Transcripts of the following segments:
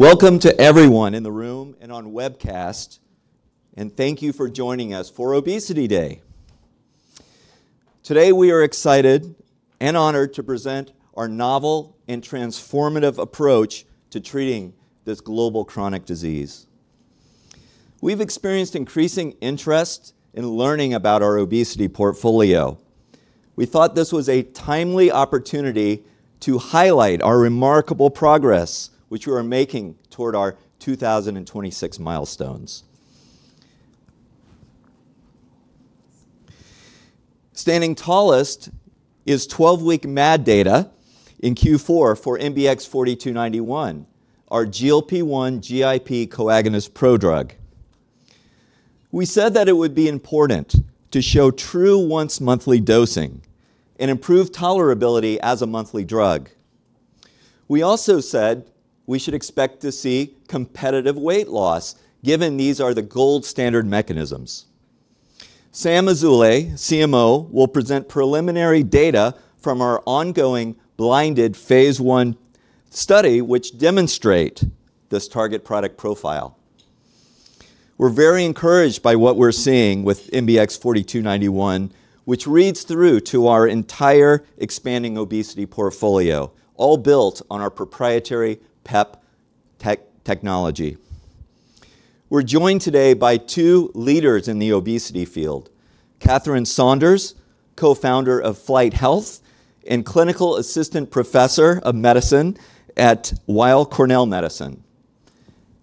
Welcome to everyone in the room and on webcast, thank you for joining us for Obesity Day. Today, we are excited and honored to present our novel and transformative approach to treating this global chronic disease. We've experienced increasing interest in learning about our obesity portfolio. We thought this was a timely opportunity to highlight our remarkable progress which we are making toward our 2026 milestones. Standing tallest is 12-week MAD data in Q4 for MBX 4291, our GLP-1 GIP co-agonist prodrug. We said that it would be important to show true once-monthly dosing and improve tolerability as a monthly drug. We also said we should expect to see competitive weight loss, given these are the gold standard mechanisms. Sam Azoulay, CMO, will present preliminary data from our ongoing blinded phase I study which demonstrate this target product profile. We're very encouraged by what we're seeing with MBX 4291, which reads through to our entire expanding obesity portfolio, all built on our proprietary PEP technology. We're joined today by two leaders in the obesity field, Katherine Saunders, co-founder of FlyteHealth and clinical assistant professor of medicine at Weill Cornell Medicine,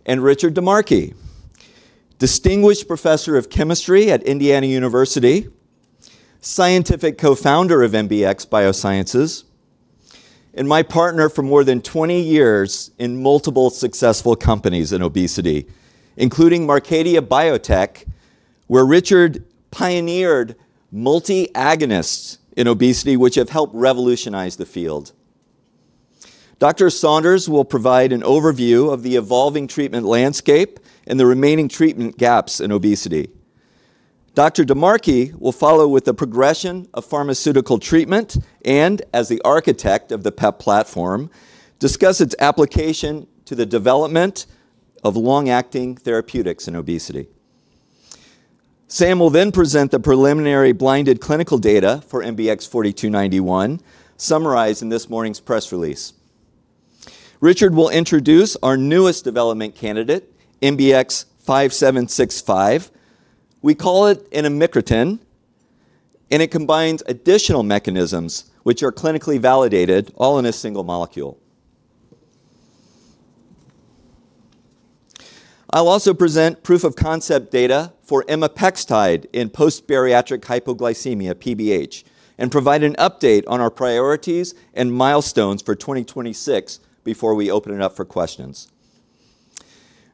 and Richard DiMarchi, distinguished professor of chemistry at Indiana University, scientific co-founder of MBX Biosciences, and my partner for more than 20 years in multiple successful companies in obesity, including Marcadia Biotech, where Richard pioneered multi-agonists in obesity, which have helped revolutionize the field. Dr. Saunders will provide an overview of the evolving treatment landscape and the remaining treatment gaps in obesity. Dr. DiMarchi will follow with the progression of pharmaceutical treatment and, as the architect of the PEP platform, discuss its application to the development of long-acting therapeutics in obesity. Sam will present the preliminary blinded clinical data for MBX 4291 summarized in this morning's press release. Richard will introduce our newest development candidate, MBX 5765. We call it an amycretin, it combines additional mechanisms which are clinically validated all in a single molecule. I'll also present proof-of-concept data for imapextide in post-bariatric hypoglycemia, PBH, provide an update on our priorities and milestones for 2026 before we open it up for questions.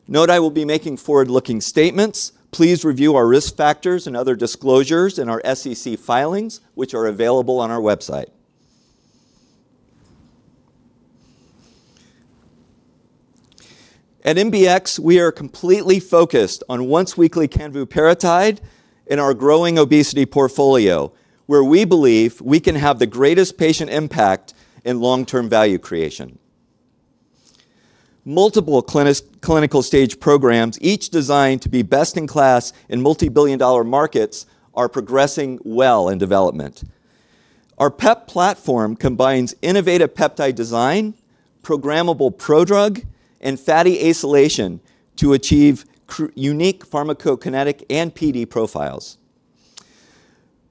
Note I will be making forward-looking statements. Please review our risk factors and other disclosures in our SEC filings, which are available on our website. At MBX, we are completely focused on once-weekly canvuparatide in our growing obesity portfolio, where we believe we can have the greatest patient impact in long-term value creation. Multiple clinical stage programs, each designed to be best in class in multi-billion dollar markets, are progressing well in development. Our PEP platform combines innovative peptide design, programmable prodrug, and fatty acylation to achieve unique pharmacokinetic and PD profiles.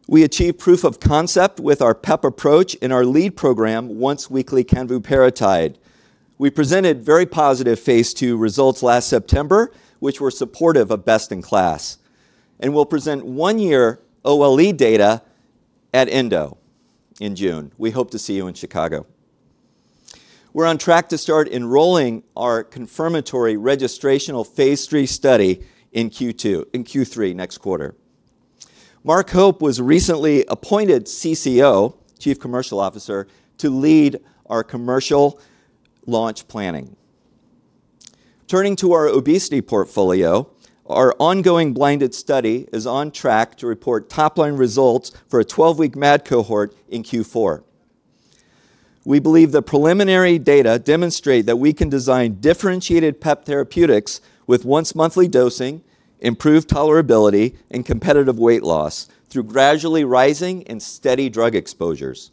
We achieved proof of concept with our PEP approach in our lead program, once-weekly canvuparatide. We presented very positive phase II results last September, which were supportive of best in class, and we'll present one-year OLE data at ENDO in June. We hope to see you in Chicago. We're on track to start enrolling our confirmatory registrational phase III study in Q3 next quarter. Mark Hope was recently appointed CCO, Chief Commercial Officer, to lead our commercial launch planning. Turning to our obesity portfolio, our ongoing blinded study is on track to report top-line results for a 12-week MAD cohort in Q4. We believe the preliminary data demonstrate that we can design differentiated PEP therapeutics with once-monthly dosing, improved tolerability, and competitive weight loss through gradually rising and steady drug exposures.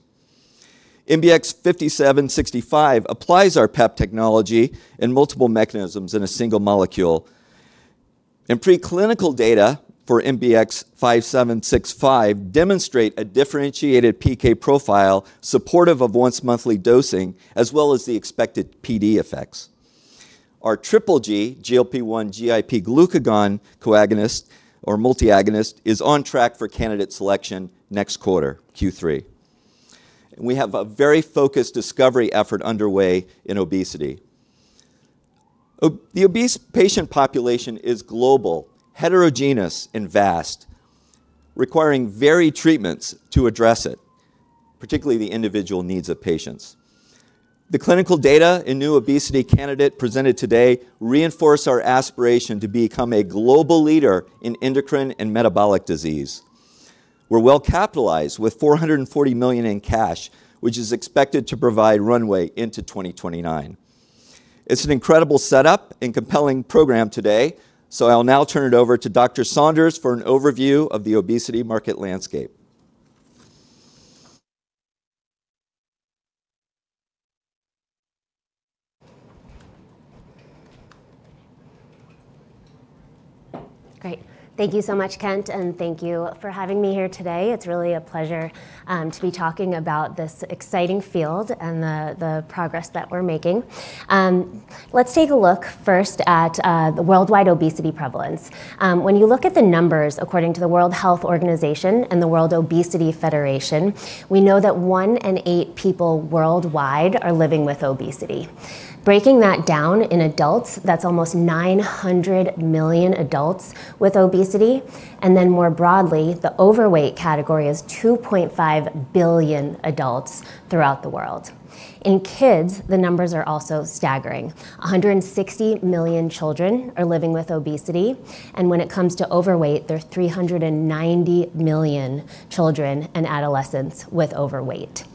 MBX 5765 applies our PEP technology in multiple mechanisms in a single molecule. In preclinical data for MBX 5765 demonstrate a differentiated PK profile supportive of once-monthly dosing as well as the expected PD effects. Our triple G, GLP-1 GIP glucagon co-agonist or multi-agonist, is on track for candidate selection next quarter, Q3. We have a very focused discovery effort underway in obesity. The obese patient population is global, heterogeneous, and vast, requiring varied treatments to address it, particularly the individual needs of patients. The clinical data in new obesity candidate presented today reinforce our aspiration to become a global leader in endocrine and metabolic disease. We're well-capitalized with $440 million in cash, which is expected to provide runway into 2029. It's an incredible setup and compelling program today. I'll now turn it over to Dr. Saunders for an overview of the obesity market landscape. Great. Thank you so much, Kent, and thank you for having me here today. It's really a pleasure to be talking about this exciting field and the progress that we're making. Let's take a look first at the worldwide obesity prevalence. When you look at the numbers according to the World Health Organization and the World Obesity Federation, we know that 1 in 8 people worldwide are living with obesity. Breaking that down in adults, that's almost 900 million adults with obesity, and then more broadly, the overweight category is 2.5 billion adults throughout the world. In kids, the numbers are also staggering. 160 million children are living with obesity, and when it comes to overweight, there are 390 million children and adolescents with overweight.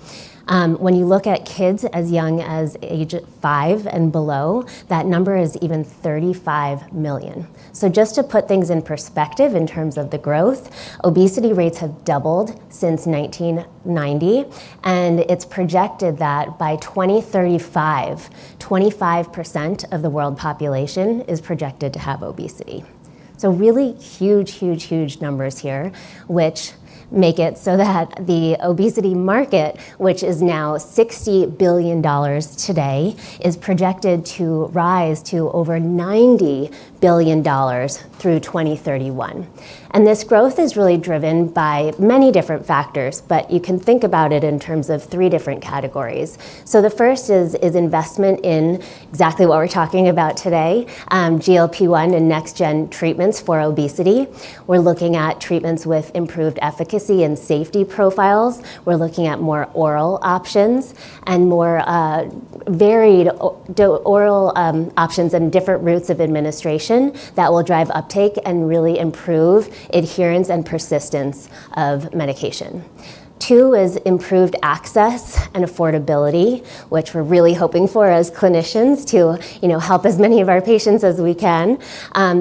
When you look at kids as young as age 5 and below, that number is even $35 million. Just to put things in perspective in terms of the growth, obesity rates have doubled since 1990, and it's projected that by 2035, 25% of the world population is projected to have obesity. Really huge, huge, huge numbers here, which make it so that the obesity market, which is now $60 billion today, is projected to rise to over $90 billion through 2031. This growth is really driven by many different factors, but you can think about it in terms of 3 different categories. The first is investment in exactly what we're talking about today, GLP-1 and next gen treatments for obesity. We're looking at treatments with improved efficacy and safety profiles. We're looking at more oral options and more varied oral options and different routes of administration that will drive uptake and really improve adherence and persistence of medication. Two is improved access and affordability, which we're really hoping for as clinicians to, you know, help as many of our patients as we can.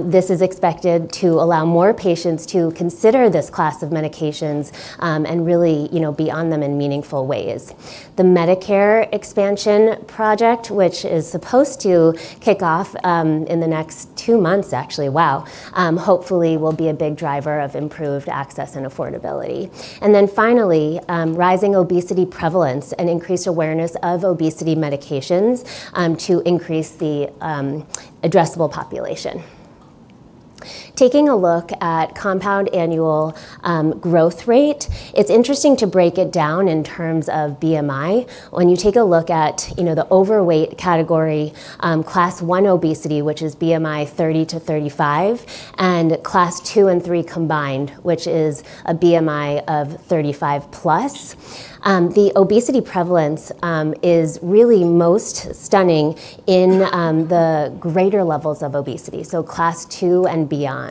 This is expected to allow more patients to consider this class of medications and really, you know, be on them in meaningful ways. The Medicare expansion project, which is supposed to kick off in the next two months, actually, hopefully will be a big driver of improved access and affordability. Finally, rising obesity prevalence and increased awareness of obesity medications to increase the addressable population. Taking a look at compound annual growth rate, it's interesting to break it down in terms of BMI. When you take a look at, you know, the overweight category, Class 1 obesity, which is BMI 30-35, and Class 2 and 3 combined, which is a BMI of 35 plus, the obesity prevalence is really most stunning in the greater levels of obesity, so Class 2 and beyond.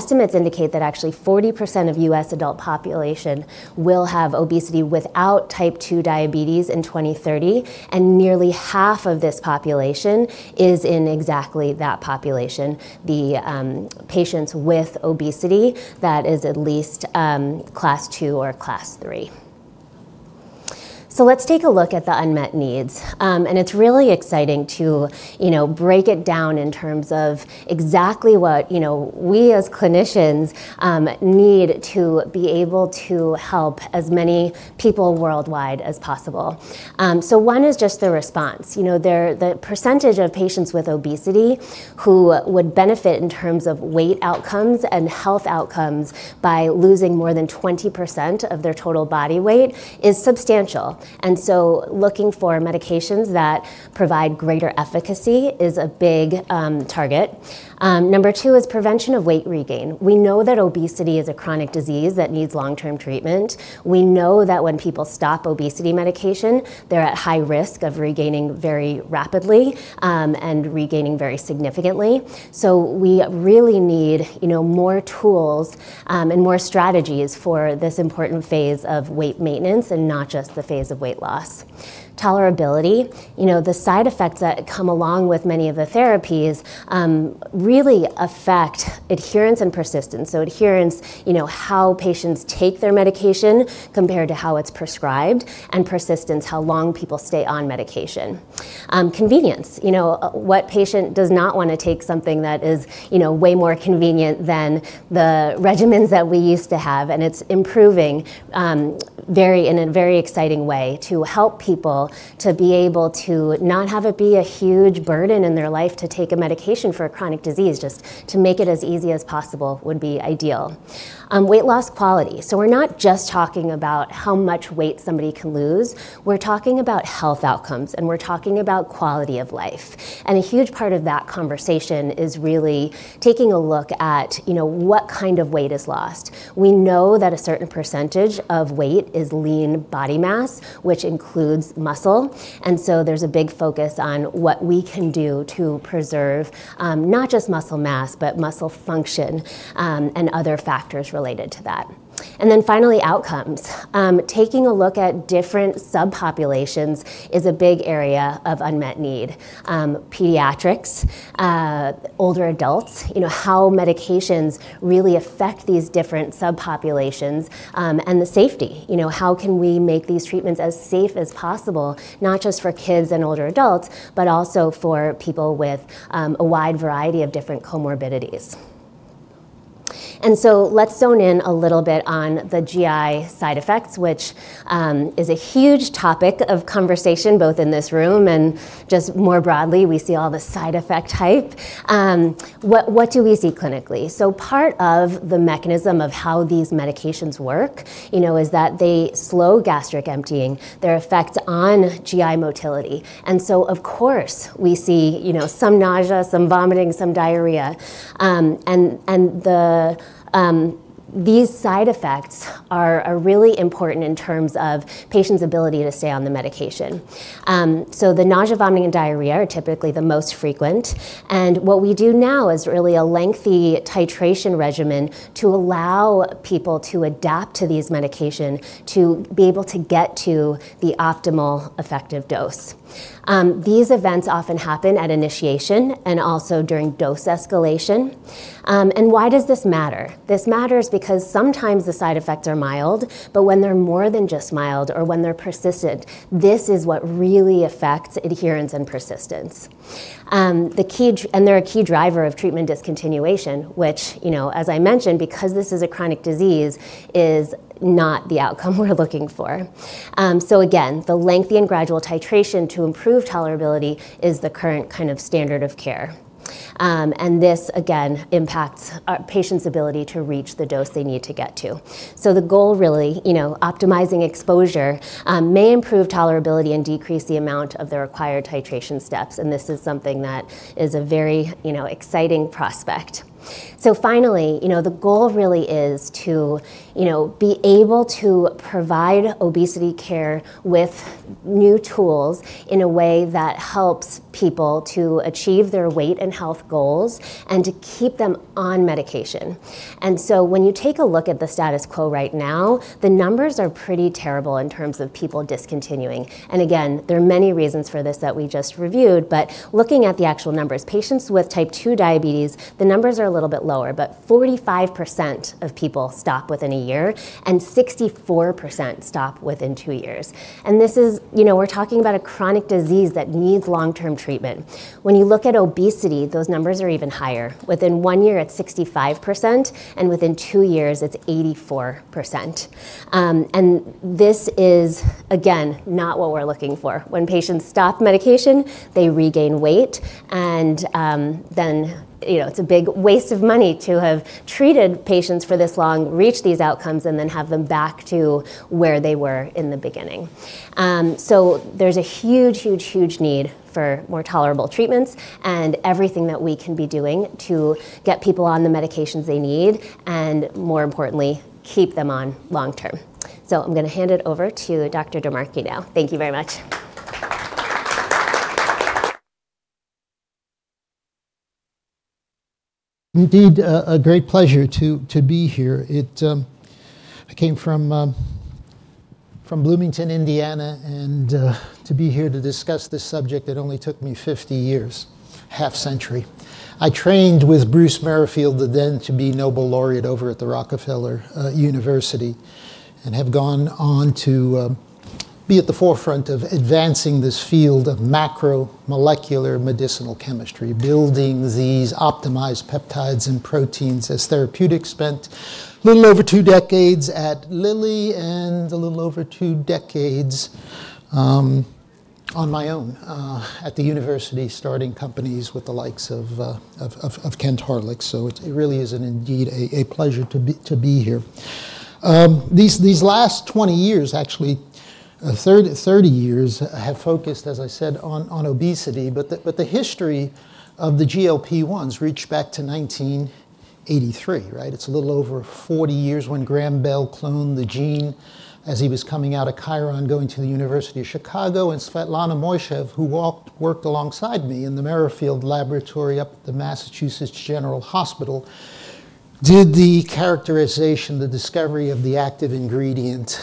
Estimates indicate that actually 40% of U.S. adult population will have obesity without Type 2 diabetes in 2030, and nearly half of this population is in exactly that population, the patients with obesity that is at least Class 2 or Class 3. Let's take a look at the unmet needs. It's really exciting to, you know, break it down in terms of exactly what, you know, we as clinicians need to be able to help as many people worldwide as possible. One is just the response. You know, the percentage of patients with obesity who would benefit in terms of weight outcomes and health outcomes by losing more than 20% of their total body weight is substantial. Looking for medications that provide greater efficacy is a big target. Number 2 is prevention of weight regain. We know that obesity is a chronic disease that needs long-term treatment. We know that when people stop obesity medication, they're at high risk of regaining very rapidly and regaining very significantly. We really need, you know, more tools and more strategies for this important phase of weight maintenance and not just the phase of weight loss. Tolerability. You know, the side effects that come along with many of the therapies really affect adherence and persistence. Adherence, you know, how patients take their medication compared to how it's prescribed, and persistence, how long people stay on medication. Convenience. You know, what patient does not wanna take something that is, you know, way more convenient than the regimens that we used to have, and it's improving in a very exciting way to help people to be able to not have it be a huge burden in their life to take a medication for a chronic disease. Just to make it as easy as possible would be ideal. Weight loss quality. We're not just talking about how much weight somebody can lose. We're talking about health outcomes, and we're talking about quality of life. A huge part of that conversation is really taking a look at, you know, what kind of weight is lost. We know that a certain percentage of weight is lean body mass, which includes muscle. There's a big focus on what we can do to preserve not just muscle mass, but muscle function, and other factors related to that. Finally, outcomes. Taking a look at different subpopulations is a big area of unmet need. Pediatrics, older adults, you know, how medications really affect these different subpopulations, and the safety. You know, how can we make these treatments as safe as possible, not just for kids and older adults, but also for people with a wide variety of different comorbidities? Let's zone in a little bit on the GI side effects, which is a huge topic of conversation both in this room and just more broadly. We see all the side effect hype. What do we see clinically? Part of the mechanism of how these medications work, you know, is that they slow gastric emptying, their effect on GI motility. Of course we see, you know, some nausea, some vomiting, some diarrhea. These side effects are really important in terms of patient's ability to stay on the medication. The nausea, vomiting, and diarrhea are typically the most frequent. What we do now is really a lengthy titration regimen to allow people to adapt to these medication to be able to get to the optimal effective dose. These events often happen at initiation and also during dose escalation. Why does this matter? This matters because sometimes the side effects are mild, but when they're more than just mild or when they're persistent, this is what really affects adherence and persistence. They're a key driver of treatment discontinuation, which, you know, as I mentioned, because this is a chronic disease, is not the outcome we're looking for. Again, the lengthy and gradual titration to improve tolerability is the current kind of standard of care. This again impacts a patient's ability to reach the dose they need to get to. The goal really, you know, optimizing exposure may improve tolerability and decrease the amount of the required titration steps, and this is something that is a very, you know, exciting prospect. Finally, you know, the goal really is to, you know, be able to provide obesity care with new tools in a way that helps people to achieve their weight and health goals and to keep them on medication. When you take a look at the status quo right now, the numbers are pretty terrible in terms of people discontinuing. Again, there are many reasons for this that we just reviewed, but looking at the actual numbers, patients with type 2 diabetes, the numbers are a little bit lower, but 45% of people stop within 1 year, and 64% stop within 2 years. This is, you know, we're talking about a chronic disease that needs long-term treatment. When you look at obesity, those numbers are even higher. Within 1 year, it's 65%, and within 2 years, it's 84%. This is, again, not what we're looking for. When patients stop medication, they regain weight and, you know, it's a big waste of money to have treated patients for this long, reach these outcomes, and then have them back to where they were in the beginning. There's a huge, huge, huge need for more tolerable treatments and everything that we can be doing to get people on the medications they need and more importantly, keep them on long term. I'm gonna hand it over to Richard DiMarchi now. Thank you very much. Indeed, a great pleasure to be here. It, I came from Bloomington, Indiana, and to be here to discuss this subject, it only took me 50 years, half-century. I trained with Bruce Merrifield, the then to be Nobel laureate over at the Rockefeller University, and have gone on to be at the forefront of advancing this field of macromolecular medicinal chemistry, building these optimized peptides and proteins as therapeutics. Spent little over two decades at Lilly and a little over two decades on my own at the university, starting companies with the likes of Kent Hawryluk. It really is an indeed a pleasure to be here. These last 20 years, actually, 30 years, have focused, as I said, on obesity, but the history of the GLP-1s reach back to 1983, right? It's a little over 40 years when Graeme Bell cloned the gene as he was coming out of Chiron, going to the University of Chicago, and Svetlana Mojsov, who worked alongside me in the Merrifield Laboratory up at the Massachusetts General Hospital, did the characterization, the discovery of the active ingredient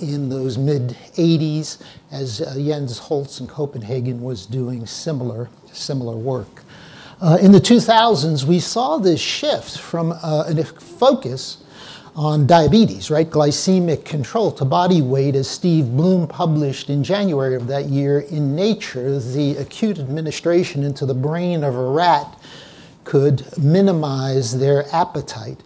in those mid-1980s as Jens Holst in Copenhagen was doing similar work. In the 2000s, we saw this shift from a focus on diabetes, right? Glycemic control to body weight, as Steve Bloom published in January of that year in Nature, the acute administration into the brain of a rat could minimize their appetite.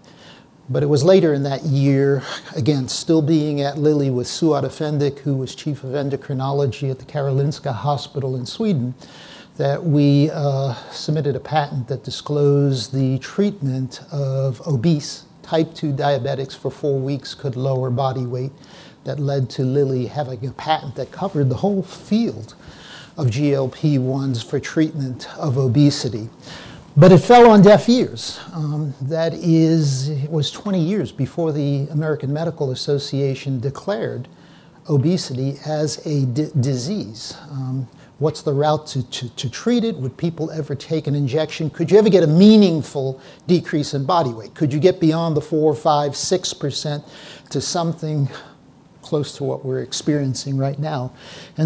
It was later in that year, again, still being at Lilly with Suad Efendic, who was chief of endocrinology at the Karolinska University Hospital in Sweden, that we submitted a patent that disclosed the treatment of obese type 2 diabetics for 4 weeks could lower body weight. That led to Lilly having a patent that covered the whole field of GLP-1s for treatment of obesity. It fell on deaf ears. It was 20 years before the American Medical Association declared obesity as a disease. What's the route to treat it? Would people ever take an injection? Could you ever get a meaningful decrease in body weight? Could you get beyond the 4%, 5%, 6% to something close to what we're experiencing right now? In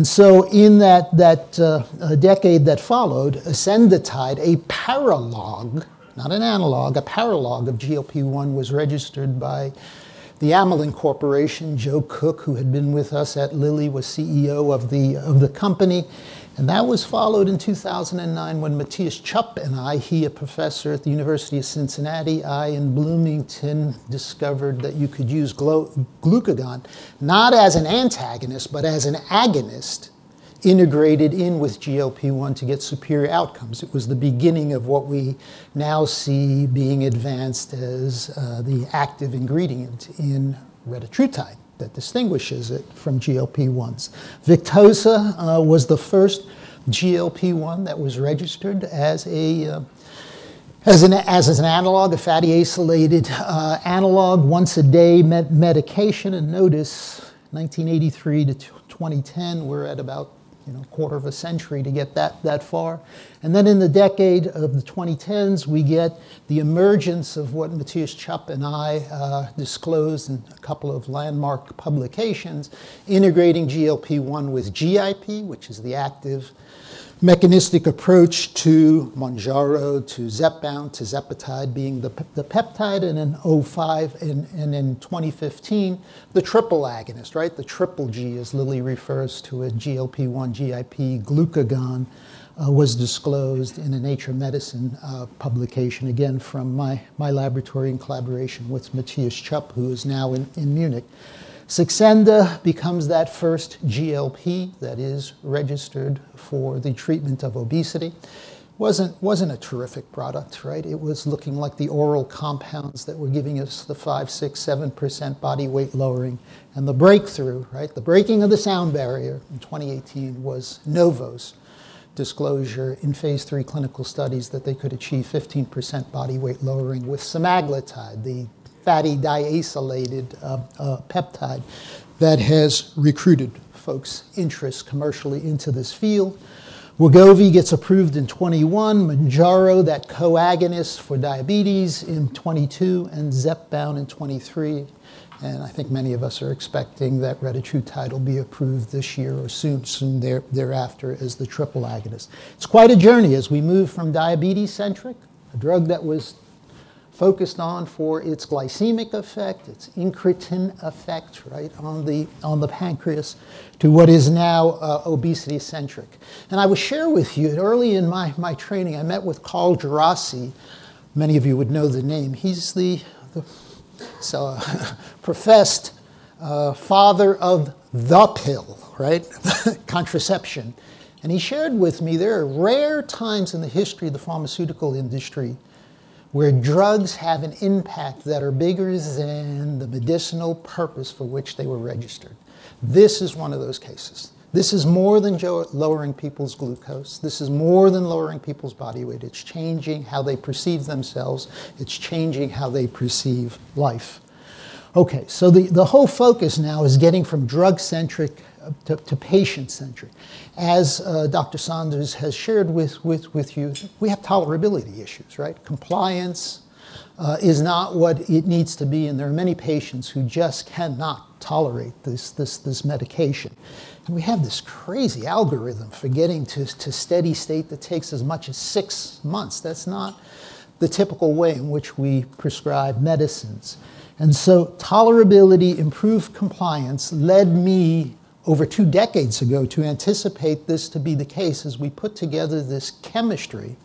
that decade that followed, exenatide, a paralog, not an analog, a paralog of GLP-1 was registered by Amylin Pharmaceuticals, Joe Cook, who had been with us at Lilly, was CEO of the company. That was followed in 2009 when Matthias Tschöp and I, he a professor at the University of Cincinnati, I in Bloomington, discovered that you could use glucagon, not as an antagonist, but as an agonist integrated in with GLP-1 to get superior outcomes. It was the beginning of what we now see being advanced as the active ingredient in retatrutide that distinguishes it from GLP-1s. Victoza was the first GLP-1 that was registered as an analog, a fatty acylated analog once-a-day medication. Notice 1983 to 2010, we're at about, you know, quarter of a century to get that far. Then in the decade of the 2010s, we get the emergence of what Matthias Tschöp and I disclosed in a couple of landmark publications integrating GLP-1 with GIP, which is the active mechanistic approach to Mounjaro, to Zepbound, tirzepatide being the peptide in 2005 and in 2015, the triple agonist, right? The Triple G as Lilly refers to it, GLP-1, GIP, glucagon, was disclosed in a Nature Medicine publication, again from my laboratory in collaboration with Matthias Tschöp, who is now in Munich. Saxenda becomes that first GLP that is registered for the treatment of obesity. Wasn't a terrific product, right? It was looking like the oral compounds that were giving us the 5%, 6%, 7% body weight lowering. The breakthrough, right, the breaking of the sound barrier in 2018 was Novo's disclosure in phase III clinical studies that they could achieve 15% body weight lowering with semaglutide, the fatty acylated peptide that has recruited folks' interest commercially into this field. Wegovy gets approved in 2021, Mounjaro, that co-agonist for diabetes in 2022, and Zepbound in 2023. I think many of us are expecting that retatrutide will be approved this year or soon thereafter as the triple agonist. It's quite a journey as we move from diabetes-centric, a drug that was focused on for its glycemic effect, its incretin effect, right, on the pancreas, to what is now obesity-centric. I will share with you that early in my training, I met with Carl Djerassi. Many of you would know the name. He's the professed father of the pill, right? Contraception. He shared with me there are rare times in the history of the pharmaceutical industry where drugs have an impact that are bigger than the medicinal purpose for which they were registered. This is one of those cases. This is more than lowering people's glucose. This is more than lowering people's body weight. It's changing how they perceive themselves. It's changing how they perceive life. Okay, the whole focus now is getting from drug-centric to patient-centric. As Dr. Saunders has shared with you, we have tolerability issues, right? Compliance is not what it needs to be, and there are many patients who just cannot tolerate this medication. We have this crazy algorithm for getting to steady state that takes as much as 6 months. That's not the typical way in which we prescribe medicines. Tolerability, improved compliance led me over 2 decades ago to anticipate this to be the case as we put together this chemistry,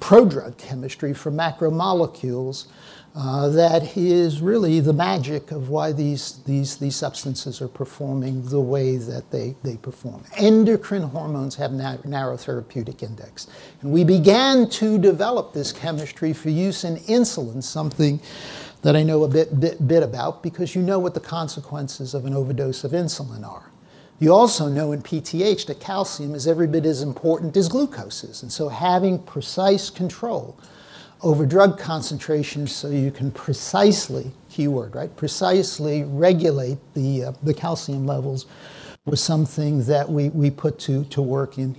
prodrug chemistry for macromolecules that is really the magic of why these substances are performing the way that they perform. Endocrine hormones have narrow therapeutic index. We began to develop this chemistry for use in insulin, something that I know a bit about, because you know what the consequences of an overdose of insulin are. You also know in PTH that calcium is every bit as important as glucose is. Having precise control over drug concentration so you can precisely, keyword, right, precisely regulate the calcium levels was something that we put to work in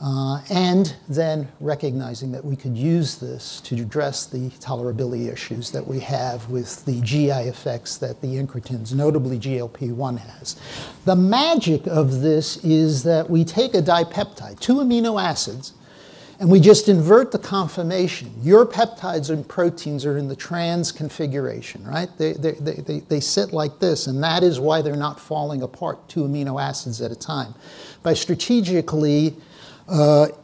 Canvu. Recognizing that we could use this to address the tolerability issues that we have with the GI effects that the incretins, notably GLP-1, has. The magic of this is that we take a dipeptide, two amino acids, and we just invert the conformation. Your peptides and proteins are in the trans configuration, right? They sit like this, and that is why they're not falling apart two amino acids at a time. By strategically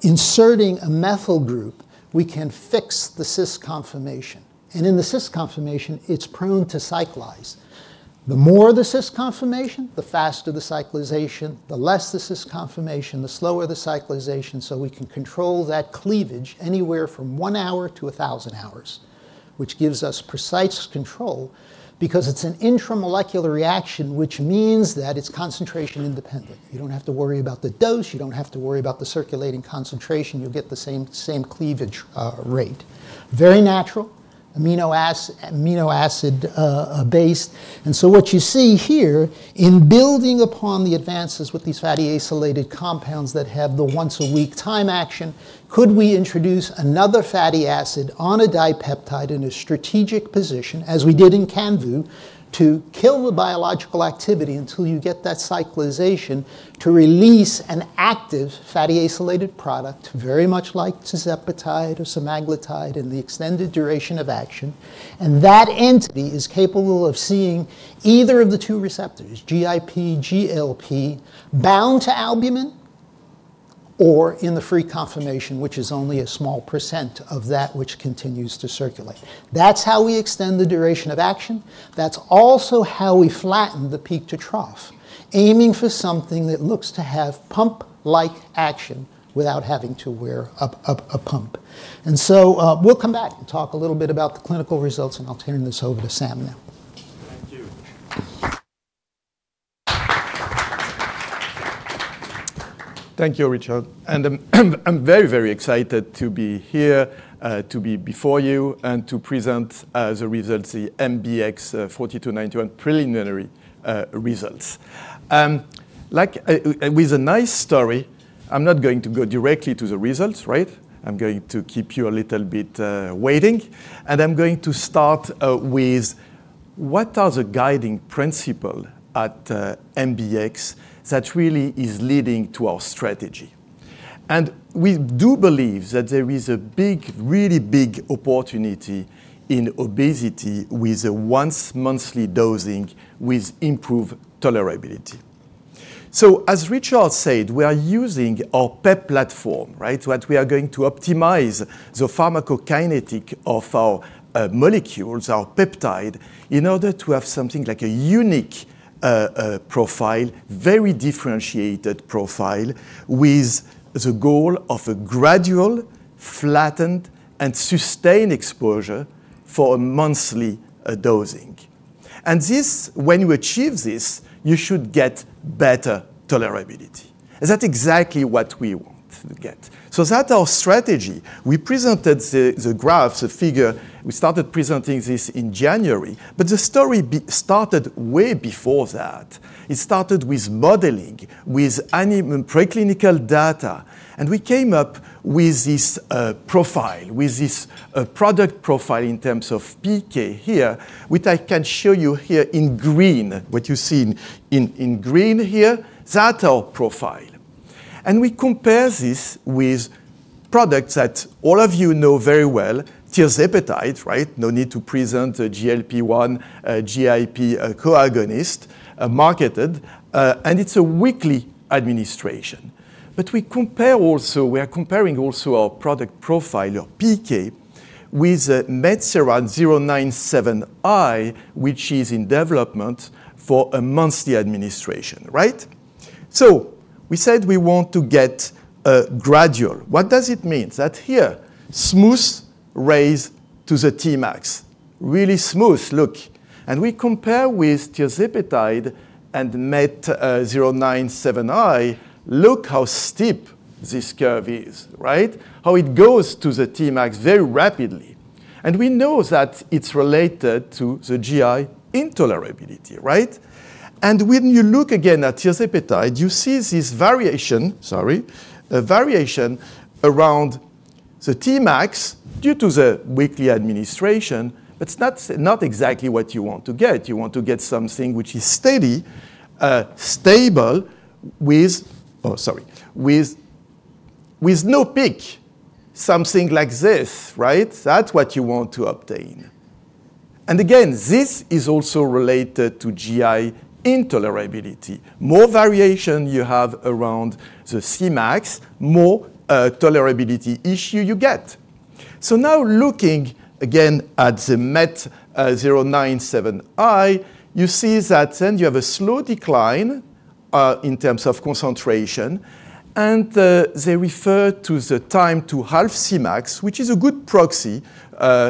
inserting a methyl group, we can fix the cis conformation. In the cis conformation, it's prone to cyclize. The more the cis conformation, the faster the cyclization. The less the cis conformation, the slower the cyclization. We can control that cleavage anywhere from 1 hour to 1,000 hours, which gives us precise control because it's an intramolecular reaction, which means that it's concentration independent. You don't have to worry about the dose. You don't have to worry about the circulating concentration. You'll get the same cleavage rate. Very natural. Amino acid based. What you see here in building upon the advances with these fatty acylated compounds that have the once-a-week time action, could we introduce another fatty acid on a dipeptide in a strategic position, as we did in Canvu, to kill the biological activity until you get that cyclization to release an active fatty acylated product, very much like tirzepatide or semaglutide in the extended duration of action. That entity is capable of seeing either of the two receptors, GIP, GLP, bound to albumin or in the free confirmation, which is only a small % of that which continues to circulate. That's how we extend the duration of action. That's also how we flatten the peak to trough, aiming for something that looks to have pump-like action without having to wear a pump. We'll come back and talk a little bit about the clinical results, and I'll turn this over to Sam now. Thank you. Thank you, Richard. I'm very, very excited to be here, to be before you and to present the results, the MBX 4291 preliminary results. Like, with a nice story, I'm not going to go directly to the results, right? I'm going to keep you a little bit waiting. I'm going to start with what are the guiding principle at MBX that really is leading to our strategy. We do believe that there is a big, really big opportunity in obesity with a once monthly dosing with improved tolerability. As Richard said, we are using our PEP platform, right? What we are going to optimize the pharmacokinetic of our molecules, our peptide, in order to have something like a unique profile, very differentiated profile with the goal of a gradual, flattened, and sustained exposure for monthly dosing. This, when you achieve this, you should get better tolerability. Is that exactly what we want to get. That our strategy, we presented the graphs, the figure, we started presenting this in January, but the story started way before that. It started with modeling, with animal preclinical data, and we came up with this profile, with this product profile in terms of PK here, which I can show you here in green. What you see in green here, that our profile. We compare this with products that all of you know very well, tirzepatide, right? No need to present a GLP-1, GIP co-agonist marketed, and it's a weekly administration. We are comparing also our product profile or PK with MET-097i, which is in development for a monthly administration, right? We said we want to get gradual. What does it mean? That here, smooth raise to the Tmax. Really smooth, look. We compare with tirzepatide and MET-097i. Look how steep this curve is, right? How it goes to the Tmax very rapidly. We know that it's related to the GI intolerability, right? When you look again at tirzepatide, you see this variation, sorry, a variation around the Tmax due to the weekly administration. That's not exactly what you want to get. You want to get something which is steady, stable with no peak, something like this, right? That's what you want to obtain. Again, this is also related to GI intolerability. More variation you have around the C-max, more tolerability issue you get. Looking again at the MET-097i, you see that then you have a slow decline in terms of concentration, they refer to the time to half C-max, which is a good proxy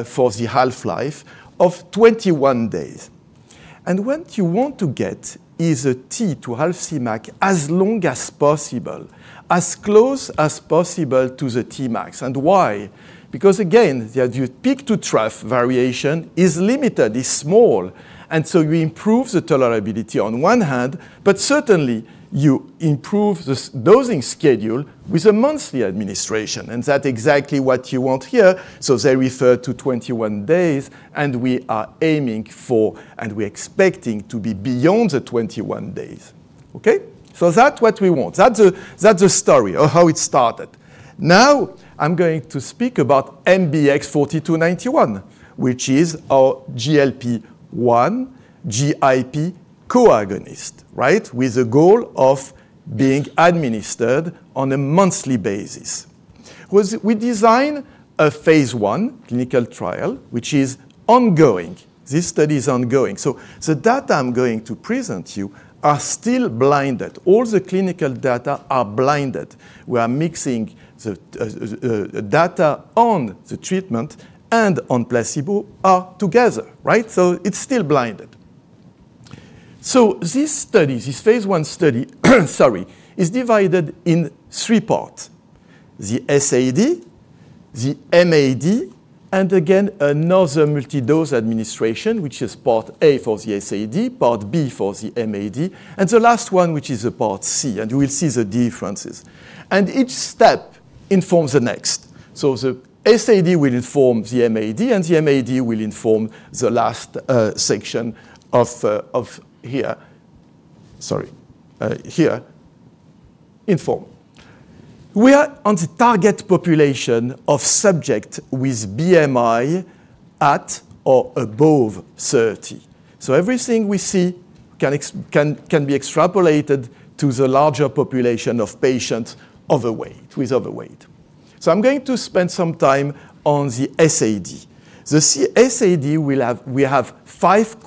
for the half-life of 21 days. What you want to get is a T to half C-max as long as possible, as close as possible to the T-max. Why? Because again, the peak to trough variation is limited, is small, and so you improve the tolerability on one hand, but certainly you improve this dosing schedule with a monthly administration. That exactly what you want here, so they refer to 21 days, we are aiming for, and we're expecting to be beyond the 21 days. Okay. That what we want. That's a story of how it started. Now, I'm going to speak about MBX 4291, which is our GLP-1 GIP co-agonist, right? With the goal of being administered on a monthly basis. We design a phase I clinical trial, which is ongoing. This study is ongoing. The data I'm going to present you are still blinded. All the clinical data are blinded. We are mixing the data on the treatment and on placebo are together, right? It's still blinded. This study, this phase I study, sorry, is divided in three parts: the SAD, the MAD, and again, another multi-dose administration, which is part A for the SAD, part B for the MAD, and the last one, which is the part C, and you will see the differences. And each step informs the next. The SAD will inform the MAD, and the MAD will inform the last section of here. Sorry, here. Inform. We are on the target population of subject with BMI at or above 30. Everything we see can be extrapolated to the larger population of patients overweight, who is overweight. I'm going to spend some time on the SAD. The SAD we have 5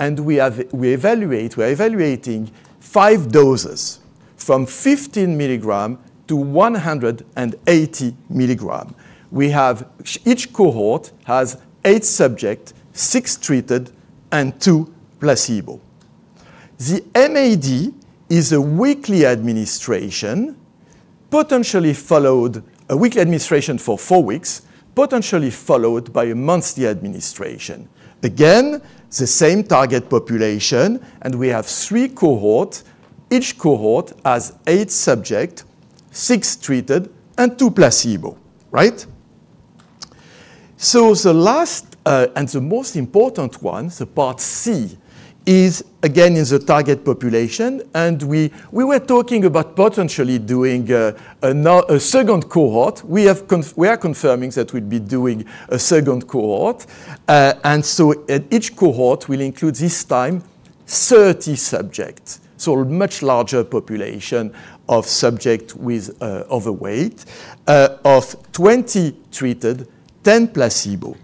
cohort, we're evaluating 5 doses from 15 mg to 180 mg. We have each cohort has 8 subject, 6 treated, and 2 placebo. The MAD is a weekly administration for 4 weeks, potentially followed by a monthly administration. Again, the same target population. We have 3 cohort. Each cohort has 8 subject, 6 treated, and 2 placebo, right? The last and the most important one, the part C, is a target population. We were talking about potentially doing a second cohort. We are confirming that we'd be doing a second cohort. Each cohort will include this time 30 subjects, a much larger population of subject with overweight, of 20 treated, 10 placebo.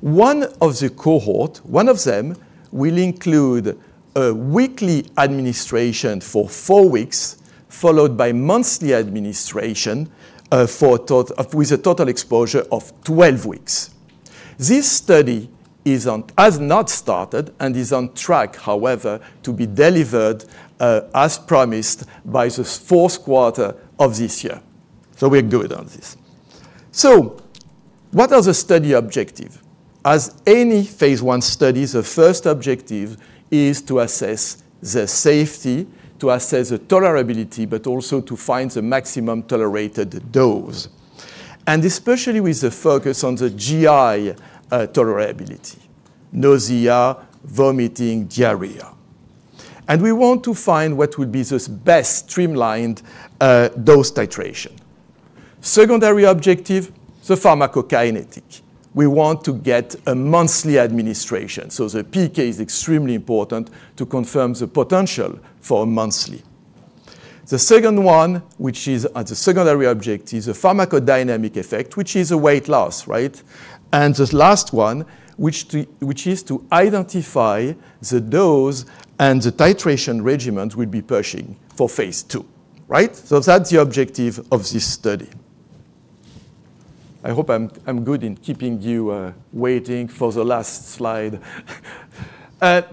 One of the cohort, one of them will include a weekly administration for 4 weeks, followed by monthly administration, with a total exposure of 12 weeks. This study has not started and is on track, however, to be delivered as promised by the fourth quarter of this year. We're good on this. What are the study objective? As any phase I study, the first objective is to assess the safety, to assess the tolerability, but also to find the maximum tolerated dose, and especially with the focus on the GI tolerability, nausea, vomiting, diarrhea. We want to find what would be the best streamlined dose titration. Secondary objective, the pharmacokinetic. We want to get a monthly administration. The PK is extremely important to confirm the potential for monthly. The second one, which is the secondary objective, is the pharmacodynamic effect, which is the weight loss, right? The last one, which is to identify the dose and the titration regimen we'll be pushing for phase II, right? That's the objective of this study. I hope I'm good in keeping you waiting for the last slide.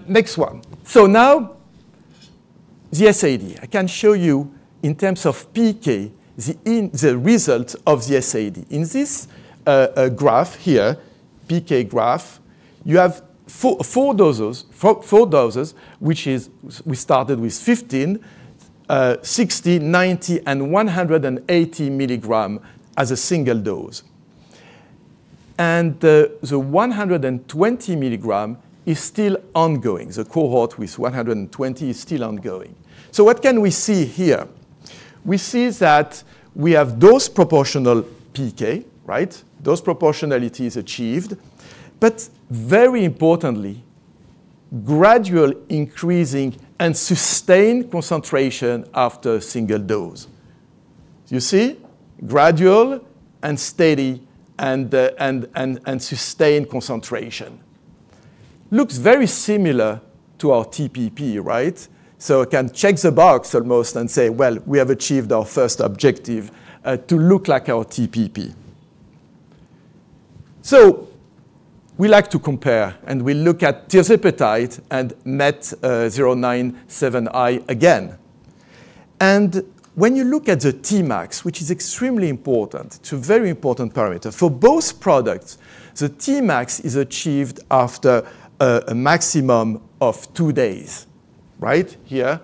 Next one. Now the SAD. I can show you in terms of PK, the result of the SAD. In this graph here, PK graph, you have four doses, which is we started with 15, 60, 90, and 180 mg as a single dose. The 120 mg is still ongoing. The cohort with 120 is still ongoing. What can we see here? We see that we have dose proportional PK, right? Dose proportionality is achieved, but very importantly, gradual increasing and sustained concentration after single dose. You see? Gradual and steady and the sustained concentration. Looks very similar to our TPP, right? It can check the box almost and say, "Well, we have achieved our first objective to look like our TPP." We like to compare, and we look at tirzepatide and MET-097i again. When you look at the Tmax, which is extremely important, it's a very important parameter. For both products, the Tmax is achieved after a maximum of 2 days, right? Here,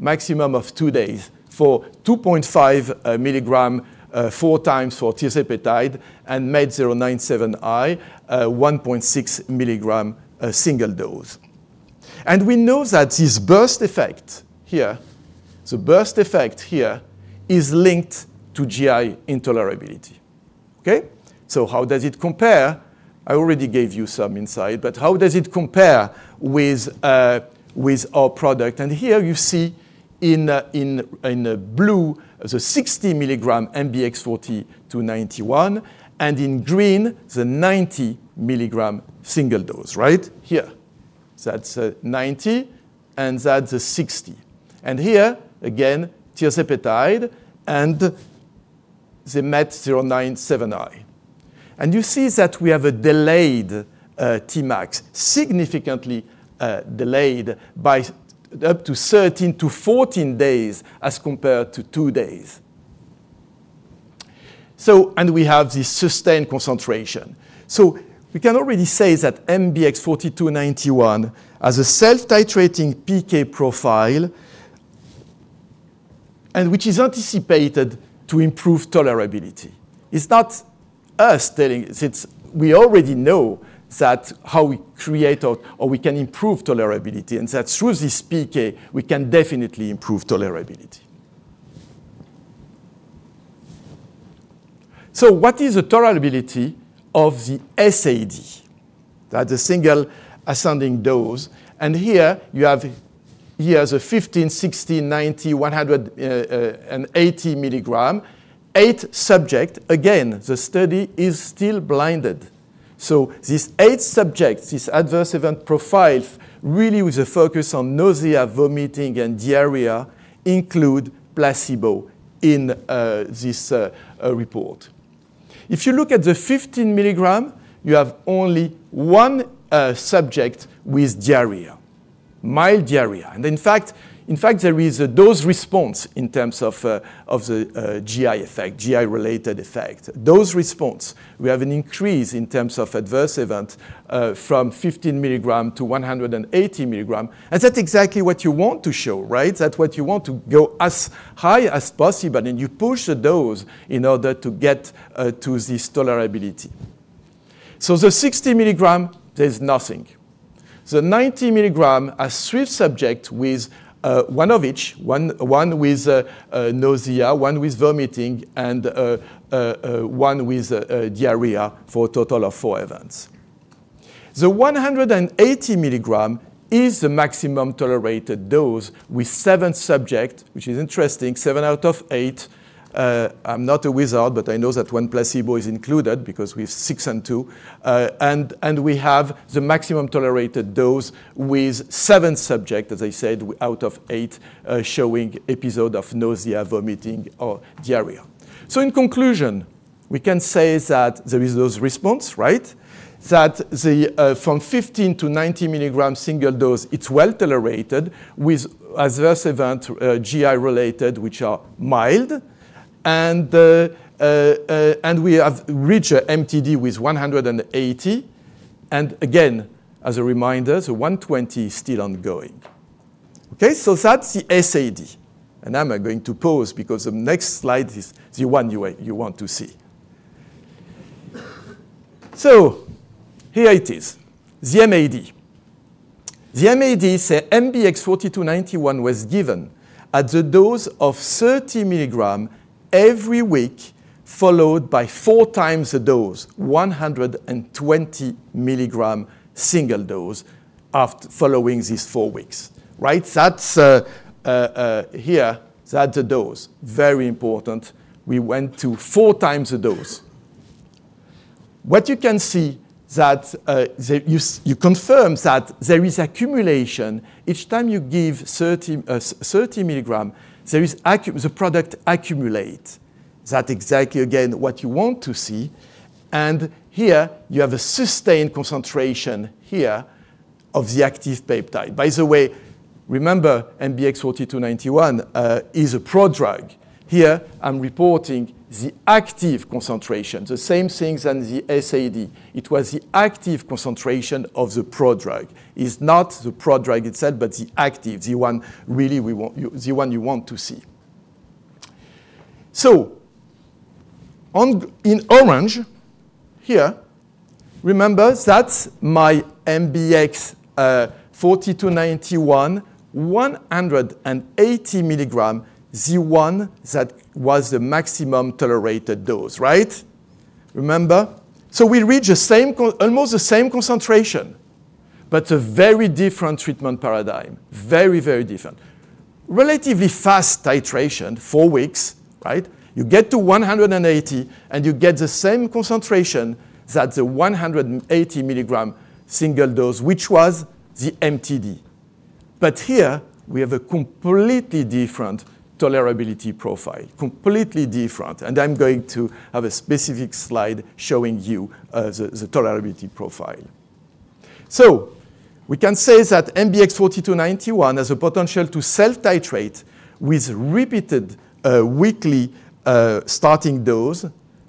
maximum of 2 days for 2.5 mg, 4x for tirzepatide and MET-097i, 1.6 mg, single dose. We know that this burst effect here, the burst effect here is linked to GI intolerability. How does it compare? I already gave you some insight, how does it compare with our product? Here you see in blue the 60 mg MBX-2109, and in green the 90 mg single dose. That's 90 and that's 60. Here again, tirzepatide and the MET-097i. You see that we have a delayed Tmax, significantly delayed by up to 13 to 14 days as compared to 2 days. We have this sustained concentration. We can already say that MBX 4291 has a self-titrating PK profile and which is anticipated to improve tolerability. It's not us telling, we already know that how we create or we can improve tolerability, and that through this PK, we can definitely improve tolerability. What is the tolerability of the SAD? That's a Single Ascending Dose. Here you have, here's a 15, 60, 90, 180 mg. 8 subject. Again, the study is still blinded. These 8 subjects, this adverse event profile, really with a focus on nausea, vomiting, and diarrhea include placebo in this report. If you look at the 15 mg, you have only 1 subject with diarrhea, mild diarrhea. In fact, there is a dose response in terms of the GI effect, GI-related effect. Dose response, we have an increase in terms of adverse event, from 15 mg to 180 mg. That's exactly what you want to show, right? That's what you want to go as high as possible, and you push the dose in order to get to this tolerability. The 60 mg, there's nothing. The 90 mg, 3 subjects with one of each: one with nausea, one with vomiting, and one with diarrhea for a total of 4 events. The 180 mg is the maximum tolerated dose with 7 subjects, which is interesting, 7 out of 8. I'm not a wizard, but I know that when placebo is included because with 6 and 2, and we have the maximum tolerated dose with 7 subject, as I said, out of 8, showing episode of nausea, vomiting, or diarrhea. In conclusion, we can say that there is dose response, right? That the from 15 to 90 mg single dose, it's well-tolerated with adverse event, GI related, which are mild. We have reached MTD with 180. Again, as a reminder, the 120 is still ongoing. Okay? That's the SAD. I'm going to pause because the next slide is the one you want to see. Here it is, the MAD. The MAD say MBX 4291 was given at the dose of 30 mg every week, followed by 4x the dose, 120 mg single dose following these 4 weeks. Right. That's here, that's the dose. Very important. We went to 4 times the dose. What you can see that, you confirm that there is accumulation. Each time you give 30 mg, there is the product accumulate. That's exactly again, what you want to see. Here you have a sustained concentration here of the active peptide. By the way, remember, MBX 4291 is a prodrug. Here, I'm reporting the active concentration, the same things than the SAD. It was the active concentration of the prodrug. It's not the prodrug itself, but the active, the one you want to see. In orange here, remember, that's my MBX 4291, 180 mg, the one that was the maximum tolerated dose, right? Remember? We reach almost the same concentration, but a very different treatment paradigm. Very, very different. Relatively fast titration, 4 weeks, right? You get to 180 and you get the same concentration that the 180 mg single dose, which was the MTD. Here we have a completely different tolerability profile, completely different. I'm going to have a specific slide showing you the tolerability profile. We can say that MBX 4291 has a potential to self-titrate with repeated, weekly, starting dose,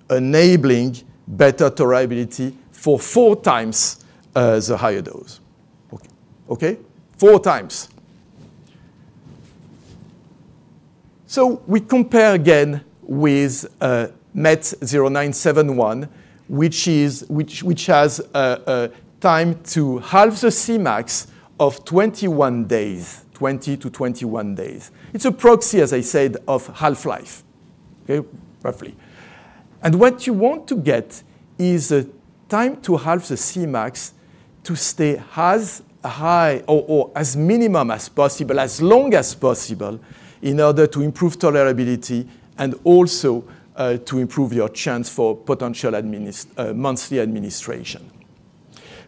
enabling better tolerability for 4 times the higher dose. Okay. 4 times. We compare again with MET-097i, which has a time to halve the Cmax of 21 days, 20-21 days. It's a proxy, as I said, of half-life. Okay. Roughly. What you want to get is a time to halve the Cmax to stay as high or as minimum as possible, as long as possible in order to improve tolerability and also to improve your chance for potential monthly administration.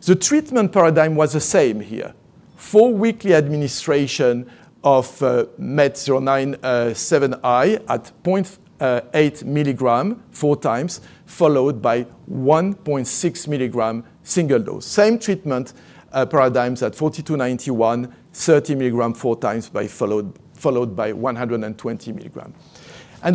The treatment paradigm was the same here. 4 weekly administration of MET-097i at 0.8 mg 4x, followed by 1.6 mg single dose. Same treatment paradigms at MBX 4291, 30 mg 4x followed by 120 mg.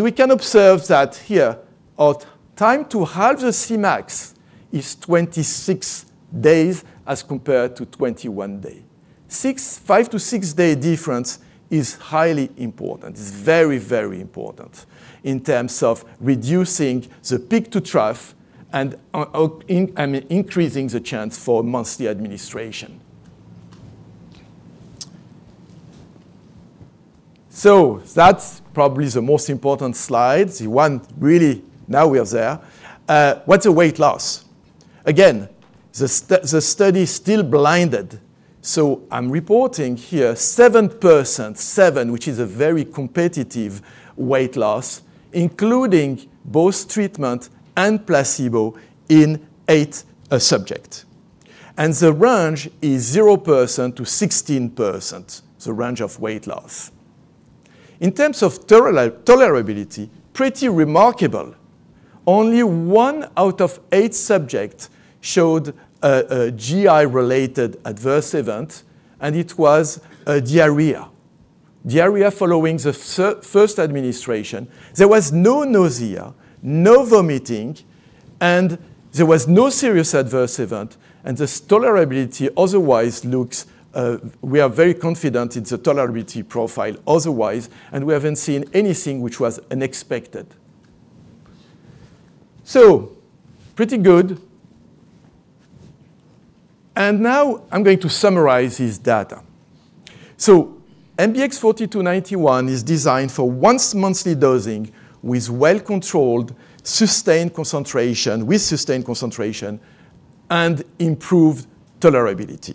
We can observe that here our time to halve the Cmax is 26 days as compared to 21 days. 5-6 day difference is highly important. It's very, very important in terms of reducing the peak to trough and increasing the chance for monthly administration. That's probably the most important slides. The one really now we are there. What's the weight loss? Again, the study is still blinded, so I'm reporting here 7%, which is a very competitive weight loss, including both treatment and placebo in 8 subjects. The range is 0%-16%, the range of weight loss. In terms of tolerability, pretty remarkable. Only 1 out of 8 subjects showed a GI related adverse event, and it was diarrhea. Diarrhea following the first administration. There was no nausea, no vomiting, there was no serious adverse event, this tolerability otherwise looks, we are very confident in the tolerability profile otherwise, we haven't seen anything which was unexpected. Pretty good. Now I'm going to summarize this data. MBX 4291 is designed for once monthly dosing with well-controlled sustained concentration, with sustained concentration and improved tolerability.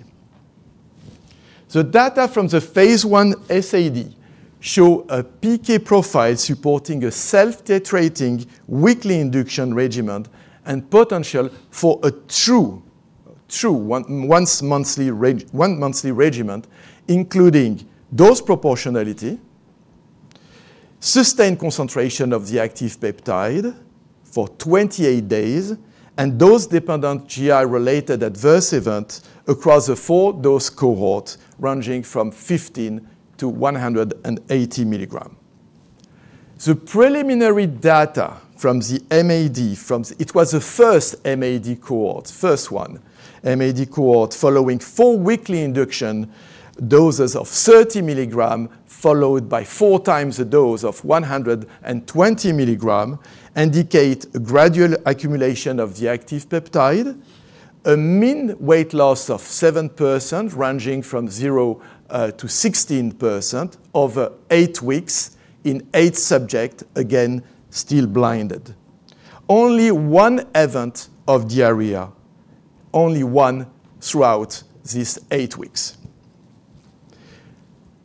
The data from the phase I SAD show a PK profile supporting a self-titrating weekly induction regimen and potential for a true once monthly regimen, including dose proportionality, sustained concentration of the active peptide for 28 days, and dose-dependent GI-related adverse events across the 4 dose cohorts ranging from 15-180 mg. The preliminary data from the MAD, from the first MAD cohort following 4 weekly induction doses of 30 mg followed by 4 times the dose of 120 mg indicate gradual accumulation of the active peptide, a mean weight loss of 7%, ranging from 0-16% over 8 weeks in 8 subjects, again, still blinded. Only 1 event of diarrhea, only 1 throughout these 8 weeks.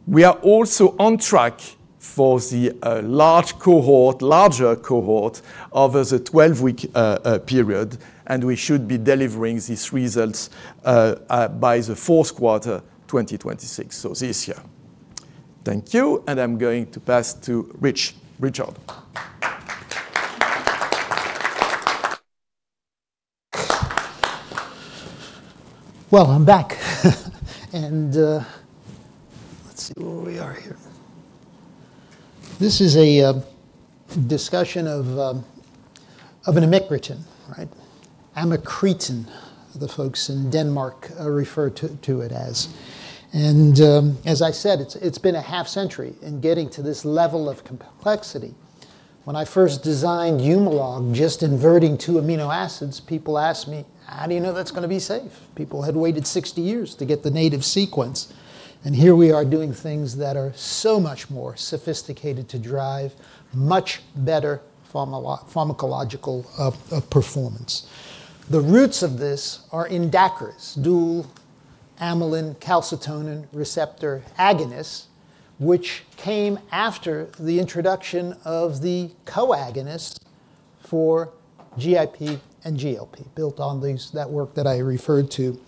We are also on track for the large cohort, larger cohort over the 12-week period, and we should be delivering these results by the fourth quarter 2026. So this year. Thank you. I'm going to pass to Richard DiMarchi. Well, I'm back. Let's see where we are here. This is a discussion of an amycretin, right? Amycretin, the folks in Denmark refer to it as. As I said, it's been a half century in getting to this level of complexity. When I first designed Humalog, just inverting 2 amino acids, people asked me, "How do you know that's going to be safe?" People had waited 60 years to get the native sequence, and here we are doing things that are so much more sophisticated to drive much better pharmacological performance. The roots of this are in DACRA, dual amylin calcitonin receptor agonist, which came after the introduction of the co-agonist for GIP and GLP, built on that work that I referred to,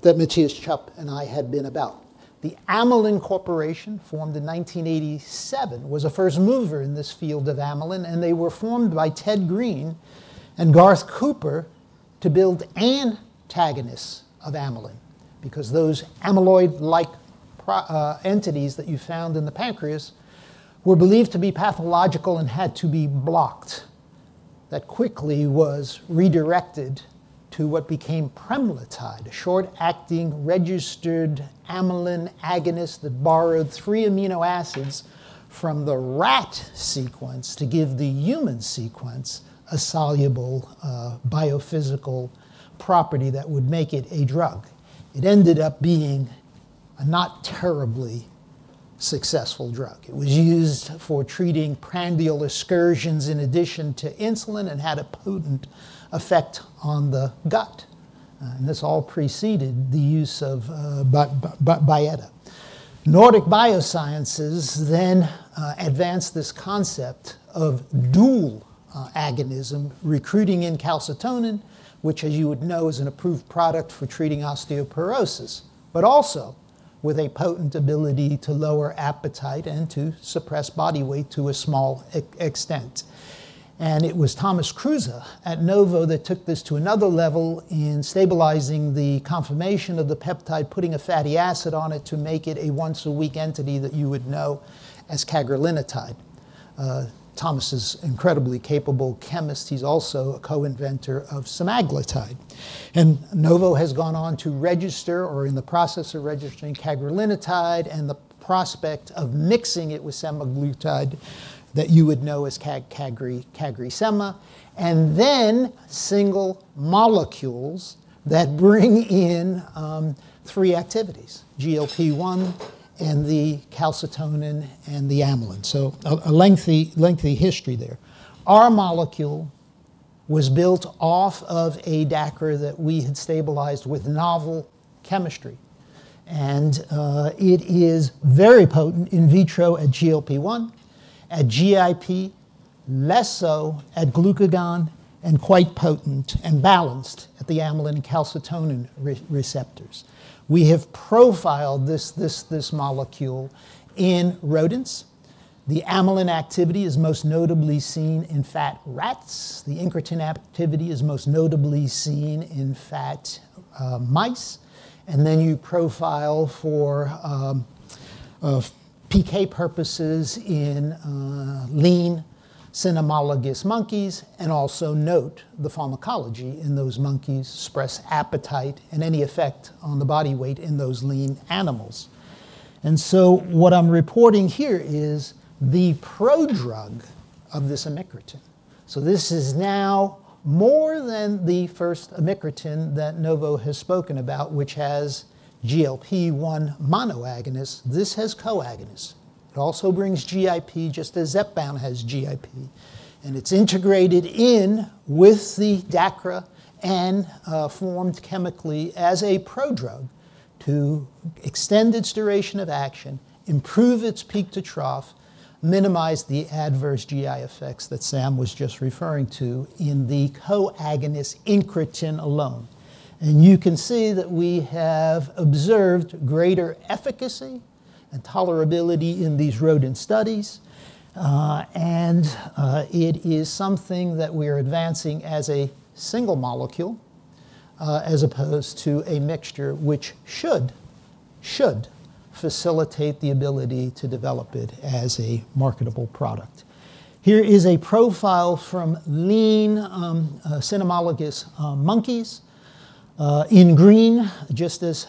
that Matthias Tschöp and I had been about. The Amylin Pharmaceuticals, formed in 1987, was a first mover in this field of amylin, and they were formed by Ted Greene and Garth Cooper to build antagonists of amylin because those amyloid-like pro entities that you found in the pancreas were believed to be pathological and had to be blocked. That quickly was redirected to what became pramlintide, a short-acting registered amylin agonist that borrowed 3 amino acids from the rat sequence to give the human sequence a soluble biophysical property that would make it a drug. It ended up being a not terribly successful drug. It was used for treating prandial excursions in addition to insulin and had a potent effect on the gut. This all preceded the use of Byetta. Nordic Bioscience then advanced this concept of dual agonism, recruiting in calcitonin, which as you would know, is an approved product for treating osteoporosis, but also with a potent ability to lower appetite and to suppress body weight to a small extent. It was Thomas Kruse at Novo that took this to another level in stabilizing the confirmation of the peptide, putting a fatty acid on it to make it a once a week entity that you would know as cagrilintide. Thomas is incredibly capable chemist. He's also a co-inventor of semaglutide. Novo has gone on to register or in the process of registering cagrilintide and the prospect of mixing it with semaglutide that you would know as CagriSema, then single molecules that bring in 3 activities, GLP-1 and the calcitonin and the amylin. A lengthy history there. Our molecule was built off of a DACRA that we had stabilized with novel chemistry. It is very potent in vitro at GLP-1, at GIP, less so at glucagon, and quite potent and balanced at the amylin calcitonin receptors. We have profiled this molecule in rodents. The amylin activity is most notably seen in fat rats. The incretin activity is most notably seen in fat mice. You profile for PK purposes in lean cynomolgus monkeys, and also note the pharmacology in those monkeys suppress appetite and any effect on the body weight in those lean animals. What I'm reporting here is the prodrug of this amycretin. This is now more than the first amycretin that Novo has spoken about, which has GLP-1 monoagonist. This has coagonist. It also brings GIP just as Zepbound has GIP. It's integrated in with the DACRA and formed chemically as a prodrug to extend its duration of action, improve its peak to trough, minimize the adverse GI effects that Sam was just referring to in the coagonist incretin alone. You can see that we have observed greater efficacy and tolerability in these rodent studies. It is something that we're advancing as a single molecule as opposed to a mixture which should facilitate the ability to develop it as a marketable product. Here is a profile from lean cynomolgus monkeys. In green, just as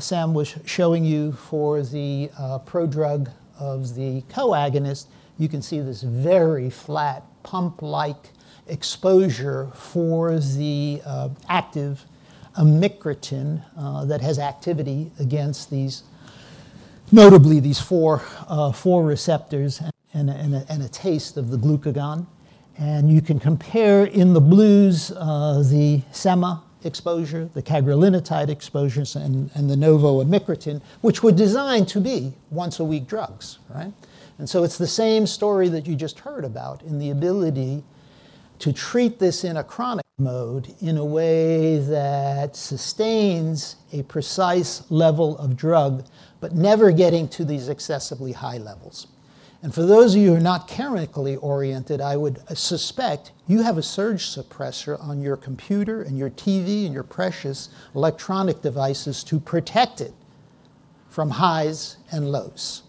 Sam was showing you for the prodrug of the co-agonist, you can see this very flat pump-like exposure for the active amycretin that has activity against these, notably these four receptors and a taste of the glucagon. You can compare in the blues, the SEMA exposure, the cagrilintide exposures and the Novo amycretin, which were designed to be once a week drugs, right. It's the same story that you just heard about in the ability to treat this in a chronic mode in a way that sustains a precise level of drug, but never getting to these excessively high levels. For those of you who are not chemically oriented, I would suspect you have a surge suppressor on your computer and your TV and your precious electronic devices to protect it from highs and lows.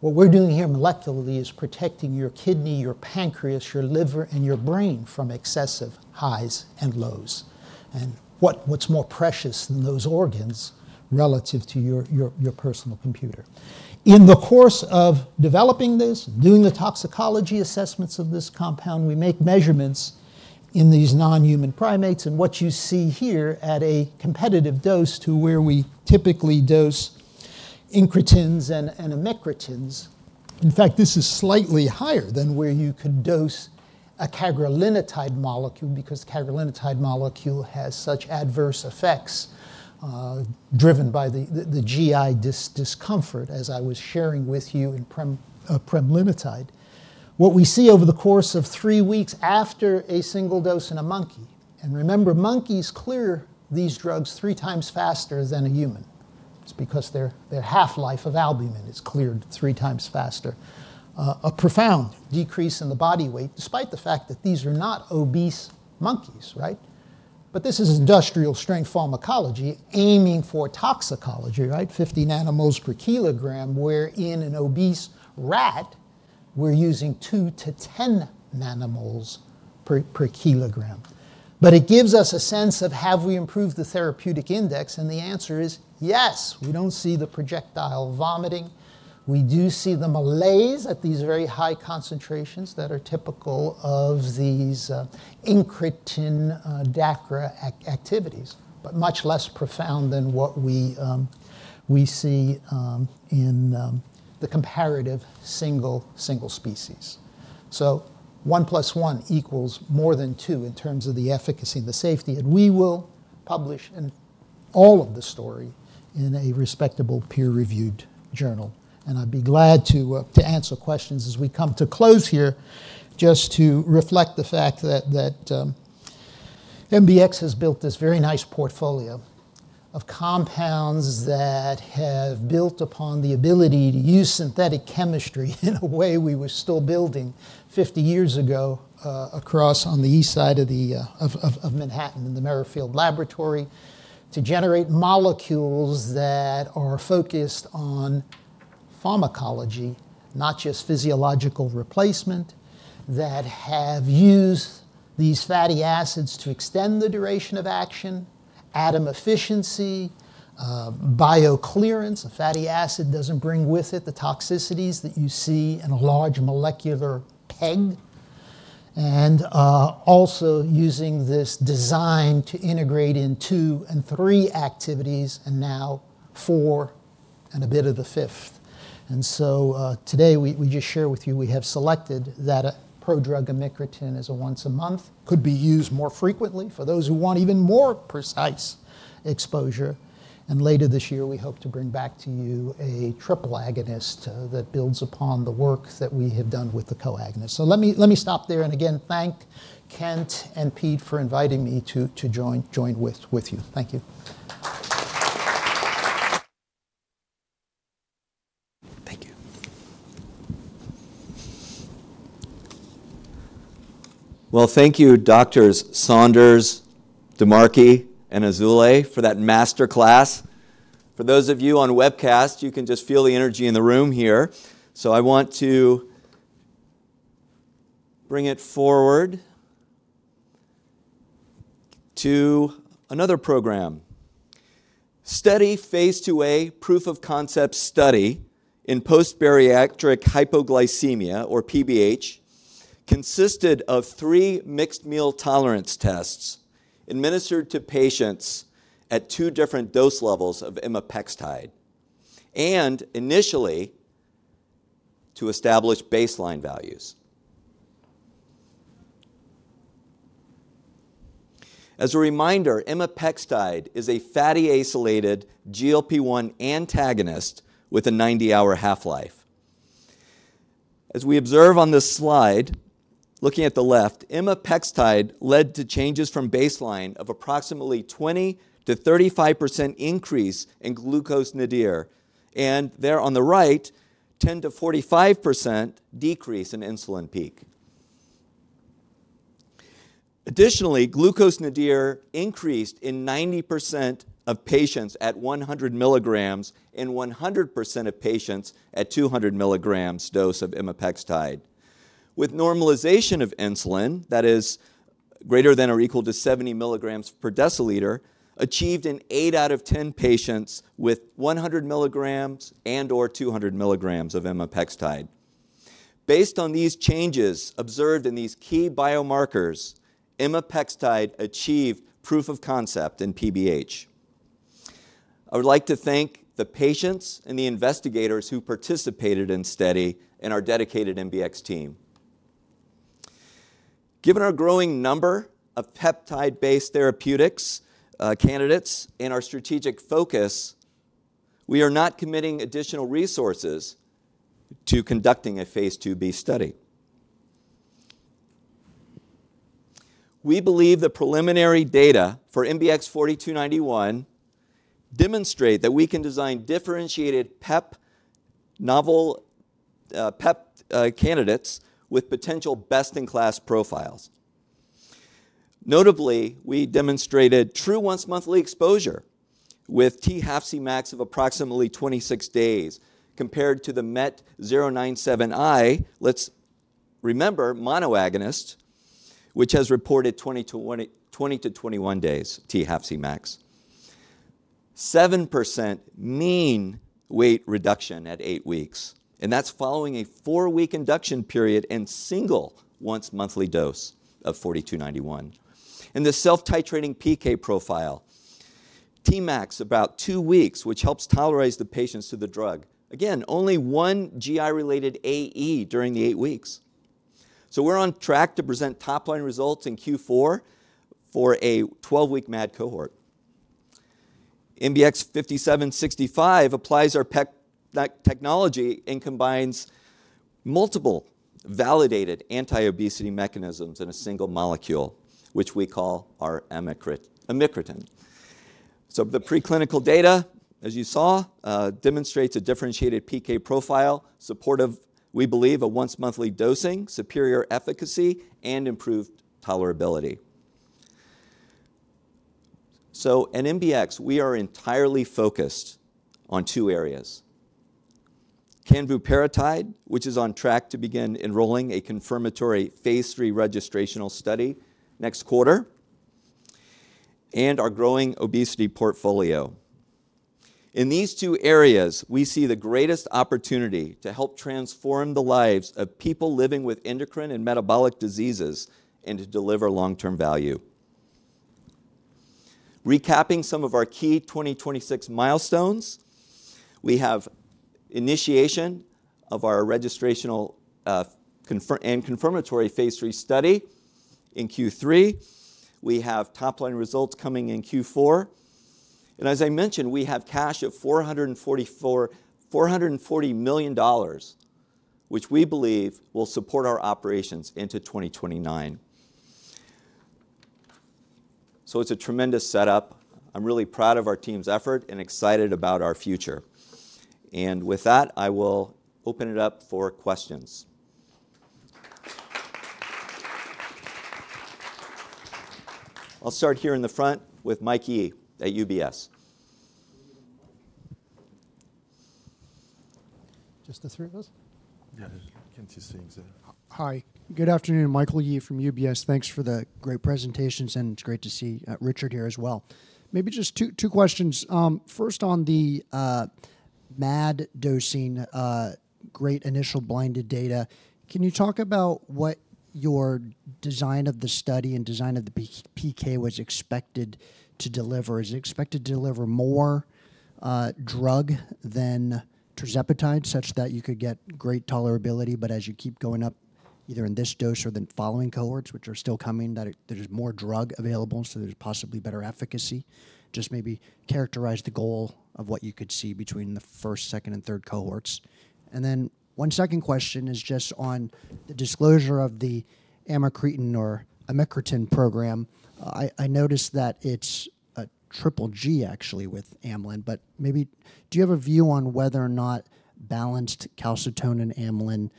What we're doing here molecularly is protecting your kidney, your pancreas, your liver, and your brain from excessive highs and lows. What's more precious than those organs relative to your personal computer? In the course of developing this, doing the toxicology assessments of this compound, we make measurements in these non-human primates, and what you see here at a competitive dose to where we typically dose incretins and amycretins. In fact, this is slightly higher than where you could dose a cagrilintide molecule because cagrilintide molecule has such adverse effects driven by the GI discomfort as I was sharing with you in pramlintide. What we see over the course of 3 weeks after a single dose in a monkey, and remember, monkeys clear these drugs 3x faster than a human. It's because their half-life of albumin is cleared 3x faster. A profound decrease in the body weight, despite the fact that these are not obese monkeys, right? This is industrial strength pharmacology aiming for toxicology, right, 50 nanomoles per kilogram, where in an obese rat, we're using 2-10 nanomoles per kilogram. It gives us a sense of have we improved the therapeutic index, and the answer is yes. We don't see the projectile vomiting. We do see the malaise at these very high concentrations that are typical of these incretin DACRA activities, but much less profound than what we see in the comparative single species. One plus one equals more than two in terms of the efficacy and the safety, and we will publish all of the story in a respectable peer-reviewed journal. I'd be glad to answer questions as we come to close here, just to reflect the fact that MBX has built this very nice portfolio of compounds that have built upon the ability to use synthetic chemistry in a way we were still building 50 years ago, across on the east side of Manhattan in the Merrifield Laboratory to generate molecules that are focused on pharmacology, not just physiological replacement, that have used these fatty acids to extend the duration of action, atom efficiency, bioclearance. A fatty acid doesn't bring with it the toxicities that you see in a large molecular PEG. Also using this design to integrate in two and three activities, and now four and a bit of the fifth. Today we just share with you, we have selected that a prodrug amycretin as a once a month could be used more frequently for those who want even more precise exposure. Later this year, we hope to bring back to you a triple agonist that builds upon the work that we have done with the co-agonist. Let me stop there and again thank Kent and Pete for inviting me to join with you. Thank you. Thank you. Well, thank you Doctors Saunders, DiMarchi, and Azoulay for that master class. For those of you on webcast, you can just feel the energy in the room here. I want to bring it forward to another program. STEADY phase II-A proof of concept study in post-bariatric hypoglycemia, or PBH, consisted of three mixed meal tolerance tests administered to patients at two different dose levels of imapextide, initially to establish baseline values. As a reminder, imapextide is a fatty acylated GLP-1 antagonist with a 90-hour half-life. As we observe on this slide, looking at the left, imapextide led to changes from baseline of approximately 20%-35% increase in glucose nadir, there on the right, 10%-45% decrease in insulin peak. Additionally, glucose nadir increased in 90% of patients at 100 mgs and 100% of patients at 200 mgs dose of imapextide. With normalization of insulin, that is greater than or equal to 70 mgs per deciliter, achieved in 8 out of 10 patients with 100 mgs and/or 200 mgs of imapextide. Based on these changes observed in these key biomarkers, imapextide achieved proof of concept in PBH. I would like to thank the patients and the investigators who participated in study and our dedicated MBX team. Given our growing number of peptide-based therapeutics candidates and our strategic focus, we are not committing additional resources to conducting a phase II-B study. We believe the preliminary data for MBX 4291 demonstrate that we can design differentiated novel candidates with potential best-in-class profiles. Notably, we demonstrated true once-monthly exposure with t half Cmax of approximately 26 days compared to the MET-097i, let's remember, monoagonist, which has reported 20-21 days t half Cmax. 7% mean weight reduction at 8 weeks, and that's following a 4-week induction period and single once-monthly dose of MBX 4291. The self-titrating PK profile, Tmax about 2 weeks, which helps tolerize the patients to the drug. Again, only 1 GI-related AE during the 8 weeks. We're on track to present top-line results in Q4 for a 12-week MAD cohort. MBX 5765 applies our PEP technology and combines multiple validated anti-obesity mechanisms in a single molecule, which we call our amycretin. The preclinical data, as you saw, demonstrates a differentiated PK profile supportive, we believe, a once-monthly dosing, superior efficacy, and improved tolerability. At MBX, we are entirely focused on 2 areas: canvuparatide, which is on track to begin enrolling a confirmatory phase III registrational study next quarter, and our growing obesity portfolio. In these 2 areas, we see the greatest opportunity to help transform the lives of people living with endocrine and metabolic diseases and to deliver long-term value. Recapping some of our key 2026 milestones, we have initiation of our registrational and confirmatory phase III study in Q3. We have top-line results coming in Q4. As I mentioned, we have cash of $440 million, which we believe will support our operations into 2029. It's a tremendous setup. I'm really proud of our team's effort and excited about our future. With that, I will open it up for questions. I'll start here in the front with Mike Yee at UBS. Just the 3 of us? Yeah. Kent is sitting there. Hi. Good afternoon, Michael Yee from UBS. Thanks for the great presentations, and it's great to see Richard here as well. Maybe just two questions. First on the MAD dosing, great initial blinded data. Can you talk about what your design of the study and design of the PK was expected to deliver? Is it expected to deliver more drug than tirzepatide, such that you could get great tolerability, but as you keep going up, either in this dose or the following cohorts, which are still coming, that there's more drug available, so there's possibly better efficacy? Just maybe characterize the goal of what you could see between the first, second, and third cohorts. One second question is just on the disclosure of the amycretin program. I noticed that it's a triple G actually with Amylin, but maybe do you have a view on whether or not balanced calcitonin amylin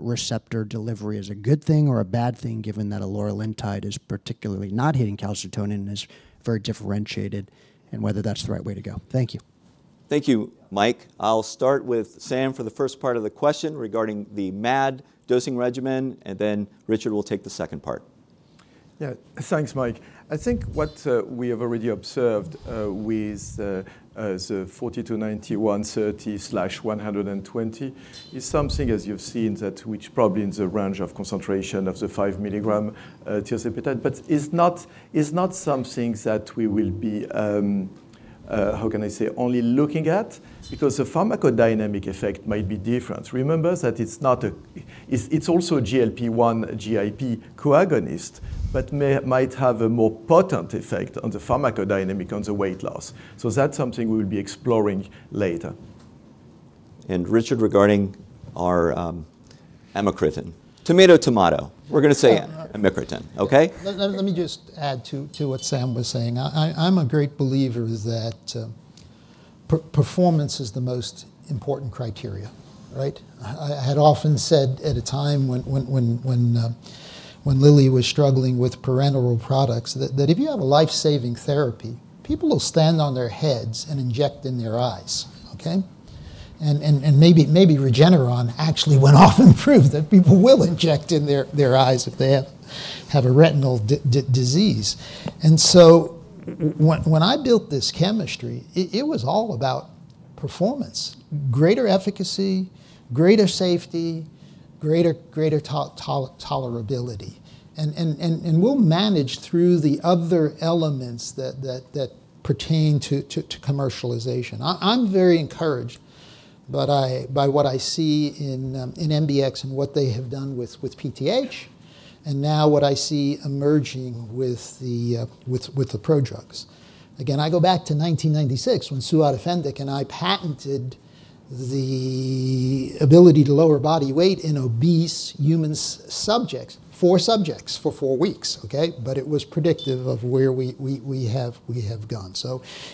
receptor delivery is a good thing or a bad thing, given that a loriglaptide is particularly not hitting calcitonin and is very differentiated, and whether that's the right way to go? Thank you. Thank you, Mike. I'll start with Sam for the first part of the question regarding the MAD dosing regimen, and then Richard will take the second part. Thanks, Mike. I think what we have already observed with the 4291/30/120 is something, as you've seen, that which probably in the range of concentration of the 5-mg tirzepatide, it's not something that we will be, how can I say, only looking at, because the pharmacodynamic effect might be different. Remember that it's also a GLP-1 GIP co-agonist, might have a more potent effect on the pharmacodynamic on the weight loss. That's something we'll be exploring later. Richard, regarding our, amycretin. Tomato, tomato. We're gonna say amycretin, okay? Let me just add to what Sam was saying. I'm a great believer that performance is the most important criteria, right? I had often said at a time when Lilly was struggling with parenteral products that if you have a life-saving therapy, people will stand on their heads and inject in their eyes, okay? Maybe Regeneron actually went off and proved that people will inject in their eyes if they have a retinal disease. When I built this chemistry, it was all about performance. Greater efficacy, greater safety, greater tolerability. We'll manage through the other elements that pertain to commercialization. I'm very encouraged, but by what I see in MBX and what they have done with PTH, and now what I see emerging with the prodrugs. Again, I go back to 1996 when Suad Efendic and I patented the ability to lower body weight in obese human subjects, 4 subjects for 4 weeks, okay? It was predictive of where we have gone.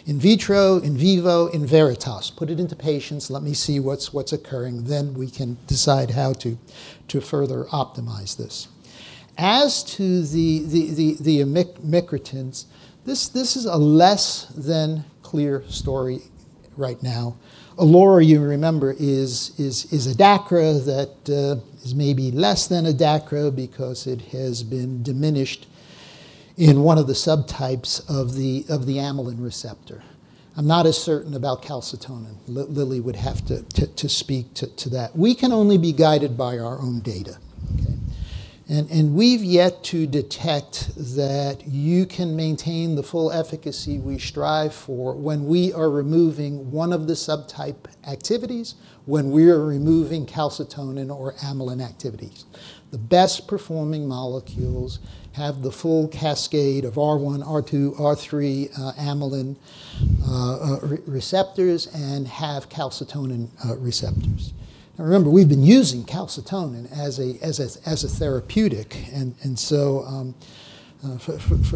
In vitro, in vivo, in veritas. Put it into patients, let me see what's occurring, then we can decide how to further optimize this. As to the amycretins, this is a less than clear story right now. You remember, is a DACRA that is maybe less than a DACRA because it has been diminished in one of the subtypes of the amylin receptor. I'm not as certain about calcitonin. Lilly would have to speak to that. We can only be guided by our own data, okay? We've yet to detect that you can maintain the full efficacy we strive for when we are removing one of the subtype activities, when we are removing calcitonin or amylin activities. The best performing molecules have the full cascade of R1, R2, R3 amylin receptors and have calcitonin receptors. Now remember, we've been using calcitonin as a therapeutic.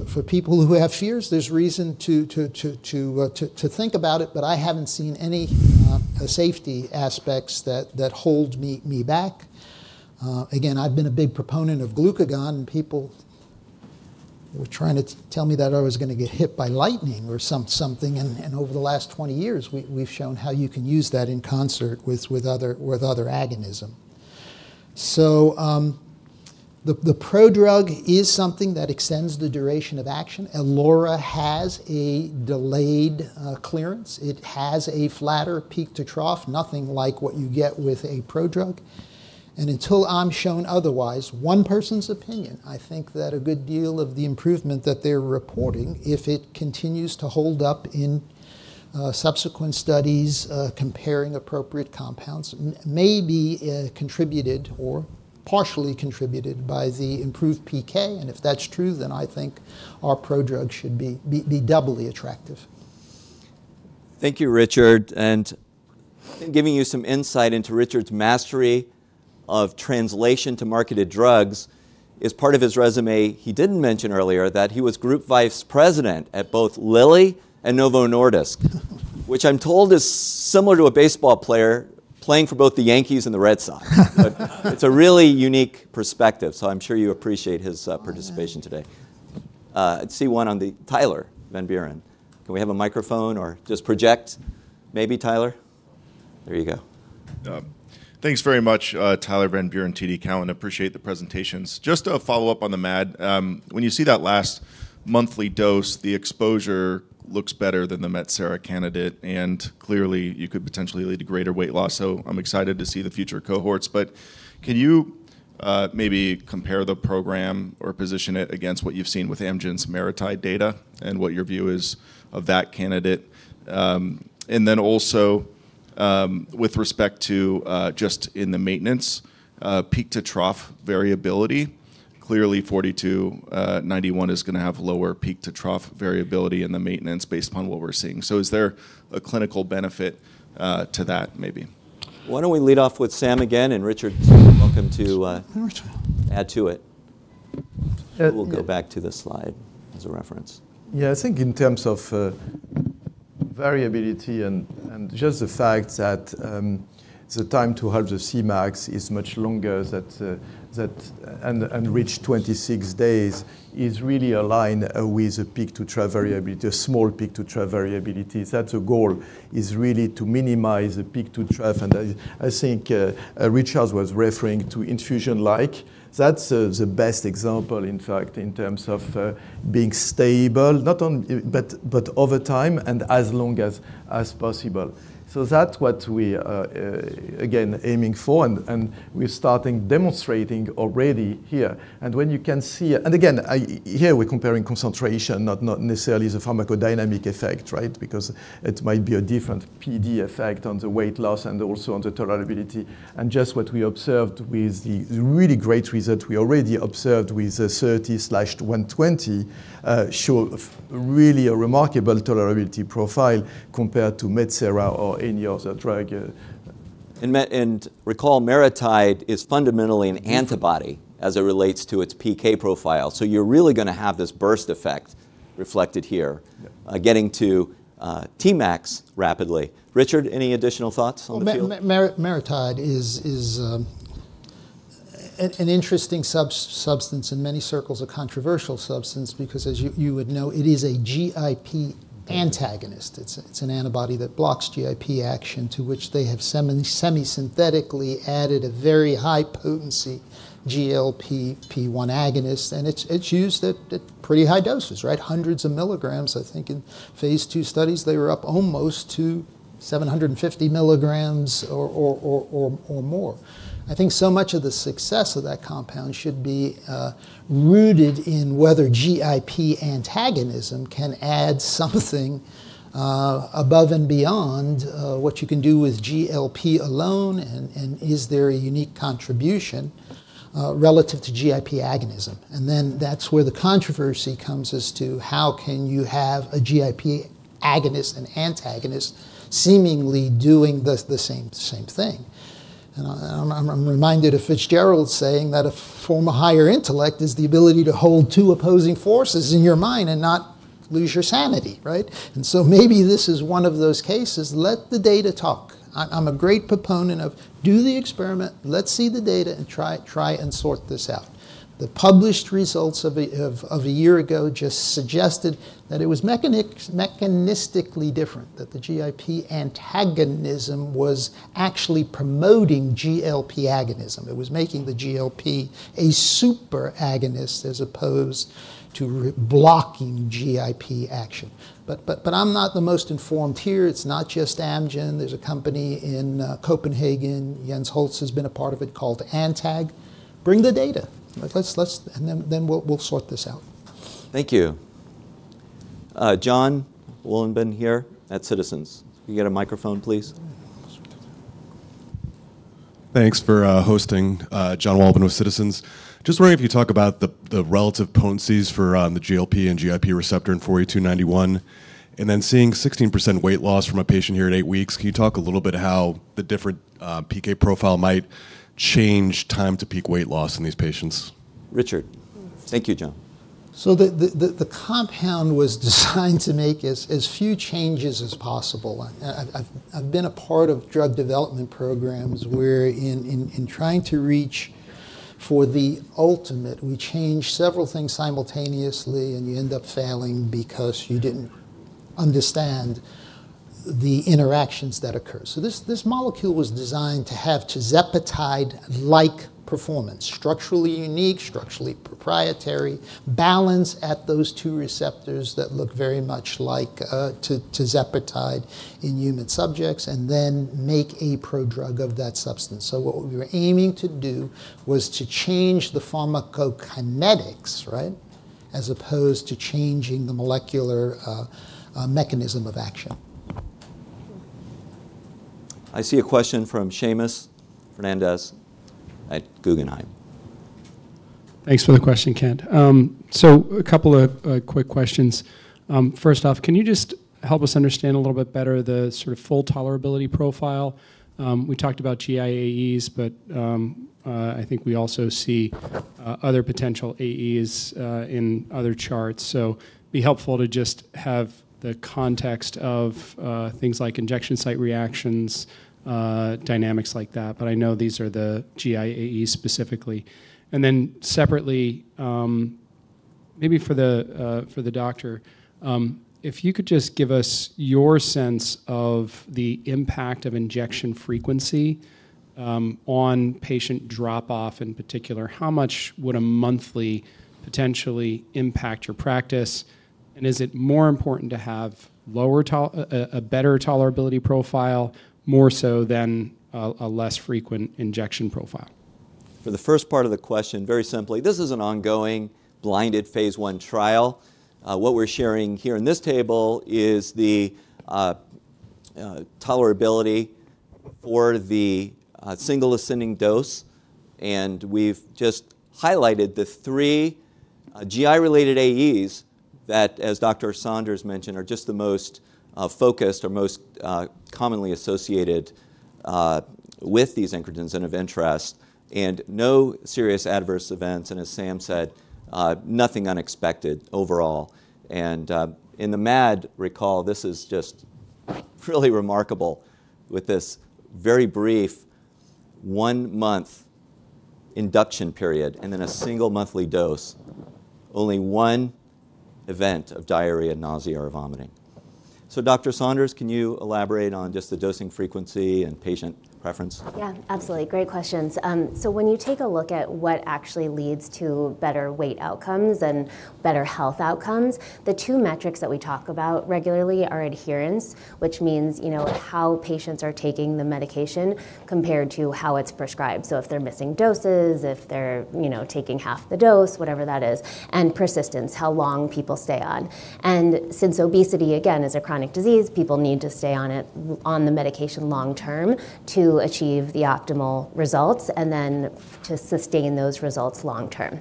For people who have fears, there's reason to think about it, but I haven't seen any safety aspects that hold me back. Again, I've been a big proponent of glucagon. People were trying to tell me that I was gonna get hit by lightning or something, over the last 20 years, we've shown how you can use that in concert with other agonism. The prodrug is something that extends the duration of action. a lore has a delayed clearance. It has a flatter peak to trough, nothing like what you get with a prodrug. Until I'm shown otherwise, one person's opinion, I think that a good deal of the improvement that they're reporting, if it continues to hold up in subsequent studies, comparing appropriate compounds, may be contributed or partially contributed by the improved PK. If that's true, then I think our prodrug should be doubly attractive. Thank you, Richard. Giving you some insight into Richard's mastery of translation to marketed drugs is part of his resume he didn't mention earlier that he was group vice president at both Lilly and Novo Nordisk, which I'm told is similar to a baseball player playing for both the Yankees and the Red Sox. It's a really unique perspective, so I'm sure you appreciate his participation today. I see Tyler Van Buren. Can we have a microphone or just project maybe, Tyler? There you go. Thanks very much, Tyler Van Buren, TD Cowen. Appreciate the presentations. Just a follow-up on the MAD. When you see that last monthly dose, the exposure looks better than the Metsera candidate, and clearly you could potentially lead to greater weight loss. I'm excited to see the future cohorts. Can you maybe compare the program or position it against what you've seen with Amgen's MariTide data and what your view is of that candidate? With respect to just in the maintenance peak to trough variability, clearly MBX 4291 is gonna have lower peak to trough variability in the maintenance based upon what we're seeing. Is there a clinical benefit to that maybe? Why don't we lead off with Sam again, and Richard, you're welcome to. Add to it. We'll go back to this slide as a reference. Yeah, I think in terms of variability and just the fact that the time to reach the Cmax is much longer that and reach 26 days is really aligned with the peak to trough variability, a small peak to trough variability. That's the goal is really to minimize the peak to trough. I think Richard was referring to infusion-like. That's the best example, in fact, in terms of being stable, not but over time and as long as possible. That's what we are again aiming for, and we're starting demonstrating already here. When you can see. Again, here we're comparing concentration, not necessarily the pharmacodynamic effect, right? Because it might be a different PD effect on the weight loss and also on the tolerability. Just what we observed with the really great result we already observed with the 30/120, show really a remarkable tolerability profile compared to Metsera or any other drug. Recall, MariTide is fundamentally an antibody as it relates to its PK profile. You're really gonna have this burst effect reflected here getting to Tmax rapidly. Richard, any additional thoughts on the field? Well, MariTide is an interesting substance in many circles, a controversial substance, because as you would know, it is a GIP antagonist. It's an antibody that blocks GIP action, to which they have semisynthetically added a very high potency GLP-1 agonist, and it's used at pretty high doses, right? Hundreds of mgs. I think in phase II studies, they were up almost to 750 mgs or more. I think so much of the success of that compound should be rooted in whether GIP antagonism can add something above and beyond what you can do with GLP alone, and is there a unique contribution relative to GIP agonism. That's where the controversy comes as to how can you have a GIP agonist, an antagonist seemingly doing the same thing. I'm reminded of Fitzgerald saying that a form of higher intellect is the ability to hold two opposing forces in your mind and not lose your sanity, right? Maybe this is one of those cases, let the data talk. I'm a great proponent of do the experiment, let's see the data, and try and sort this out. The published results of a year ago just suggested that it was mechanistically different, that the GIP antagonism was actually promoting GLP agonism. It was making the GLP a superagonist as opposed to blocking GIP action. I'm not the most informed here. It's not just Amgen. There's a company in Copenhagen, Jens Holst has been a part of it, called Antag. Bring the data. Let's. We'll sort this out. Thank you. Jon Wolleben here at Citizens. Can you get a microphone, please? Thanks for hosting, Jon Wolleben with Citizens. Just wondering if you talk about the relative potencies for the GLP and GIP receptor in 4291, and then seeing 16% weight loss from a patient here at 8 weeks. Can you talk a little bit how the different PK profile might change time to peak weight loss in these patients? Richard. Thank you, John. The compound was designed to make as few changes as possible. I've been a part of drug development programs where in trying to reach for the ultimate, we change several things simultaneously, and you end up failing because you didn't understand the interactions that occur. This molecule was designed to have tirzepatide-like performance, structurally unique, structurally proprietary, balance at those two receptors that look very much like tirzepatide in human subjects, and then make a prodrug of that substance. What we were aiming to do was to change the pharmacokinetics, right? As opposed to changing the molecular mechanism of action. I see a question from Seamus Fernandez at Guggenheim. Thanks for the question, Kent. A couple of quick questions. First off, can you just help us understand a little bit better the sort of full tolerability profile? We talked about GI AEs, I think we also see other potential AEs in other charts. It'd be helpful to just have the context of things like injection site reactions, dynamics like that. I know these are the GI AEs specifically. Maybe for the doctor, if you could just give us your sense of the impact of injection frequency, on patient drop-off in particular. How much would a monthly potentially impact your practice? Is it more important to have a better tolerability profile more so than a less frequent injection profile? For the first part of the question, very simply, this is an ongoing blinded phase I trial. What we're sharing here in this table is the tolerability for the single ascending dose, and we've just highlighted the three GI-related AEs that, as Dr. Saunders mentioned, are just the most focused or most commonly associated with these incretins and of interest, and no serious adverse events, and as Sam said, nothing unexpected overall. In the MAD recall, this is just really remarkable with this very brief one-month induction period, and then a single monthly dose. Only one event of diarrhea, nausea, or vomiting. Dr. Saunders, can you elaborate on just the dosing frequency and patient preference? Yeah, absolutely. Great questions. When you take a look at what actually leads to better weight outcomes and better health outcomes, the two metrics that we talk about regularly are adherence, which means, you know, how patients are taking the medication compared to how it's prescribed. If they're missing doses, if they're, you know, taking half the dose, whatever that is, and persistence, how long people stay on. Since obesity, again, is a chronic disease, people need to stay on it, on the medication long term to achieve the optimal results and then to sustain those results long term.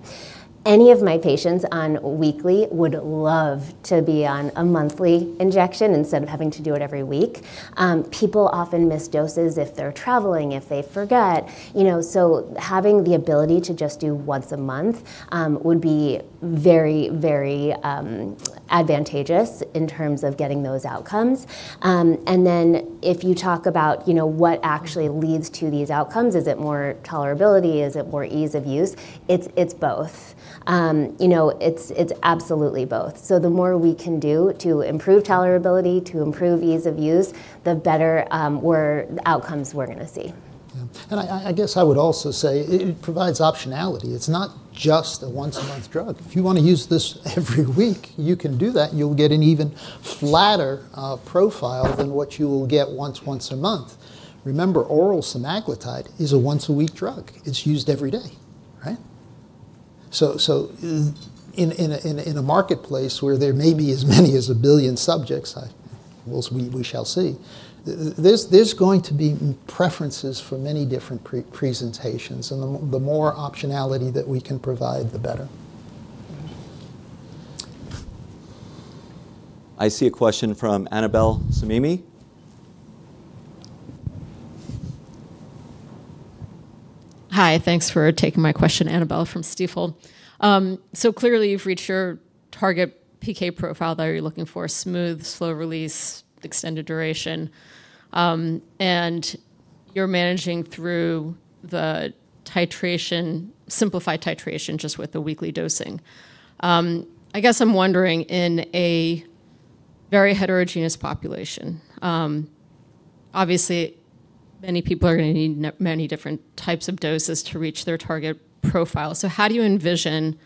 Any of my patients on weekly would love to be on a monthly injection instead of having to do it every week. People often miss doses if they're traveling, if they forget, you know. Having the ability to just do once a month would be very, very advantageous in terms of getting those outcomes. If you talk about, you know, what actually leads to these outcomes, is it more tolerability? Is it more ease of use? It's both. You know, it's absolutely both. The more we can do to improve tolerability, to improve ease of use, the better the outcomes we're gonna see. Yeah. I guess I would also say it provides optionality. It's not just a once-a-month drug. If you want to use this every week, you can do that, and you'll get an even flatter profile than what you will get once a month. Remember, oral semaglutide is a once-a-week drug. It's used every day, right? In a marketplace where there may be as many as 1 billion subjects, we shall see. There's going to be preferences for many different presentations, and the more optionality that we can provide, the better. I see a question from Annabel Samimy. Hi. Thanks for taking my question. Annabel from Stifel. Clearly you've reached your target PK profile that you're looking for, smooth, slow release, extended duration. You're managing through the titration, simplified titration just with the weekly dosing. I guess I'm wondering, in a very heterogeneous population, obviously many people are gonna need many different types of doses to reach their target profile. How do you envision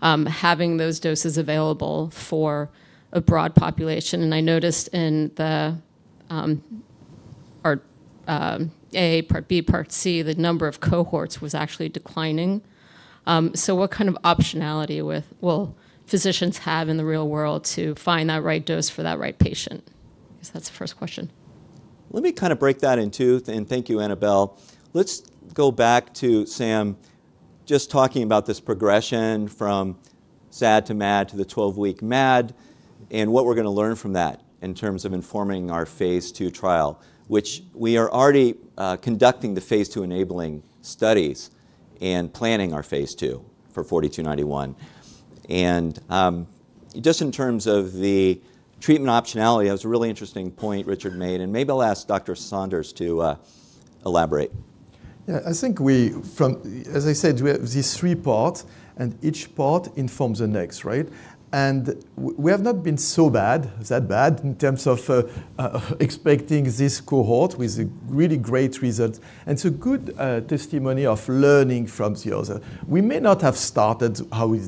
having those doses available for a broad population? I noticed in the part A, part B, part C, the number of cohorts was actually declining. What kind of optionality will physicians have in the real world to find that right dose for that right patient? I guess that's the first question. Let me kind of break that in two. Thank you, Annabel. Let's go back to Sam just talking about this progression from SAD to MAD to the 12-week MAD, and what we're going to learn from that in terms of informing our phase II trial, which we are already conducting the phase II-enabling studies and planning our phase II for MBX 4291. Just in terms of the treatment optionality, that was a really interesting point Richard made, and maybe I'll ask Dr. Saunders to elaborate. Yeah, I think we, as I said, we have these three parts, and each part informs the next, right? We have not been so bad, that bad in terms of expecting this cohort with really great results, and so good testimony of learning from the other. We may not have started how we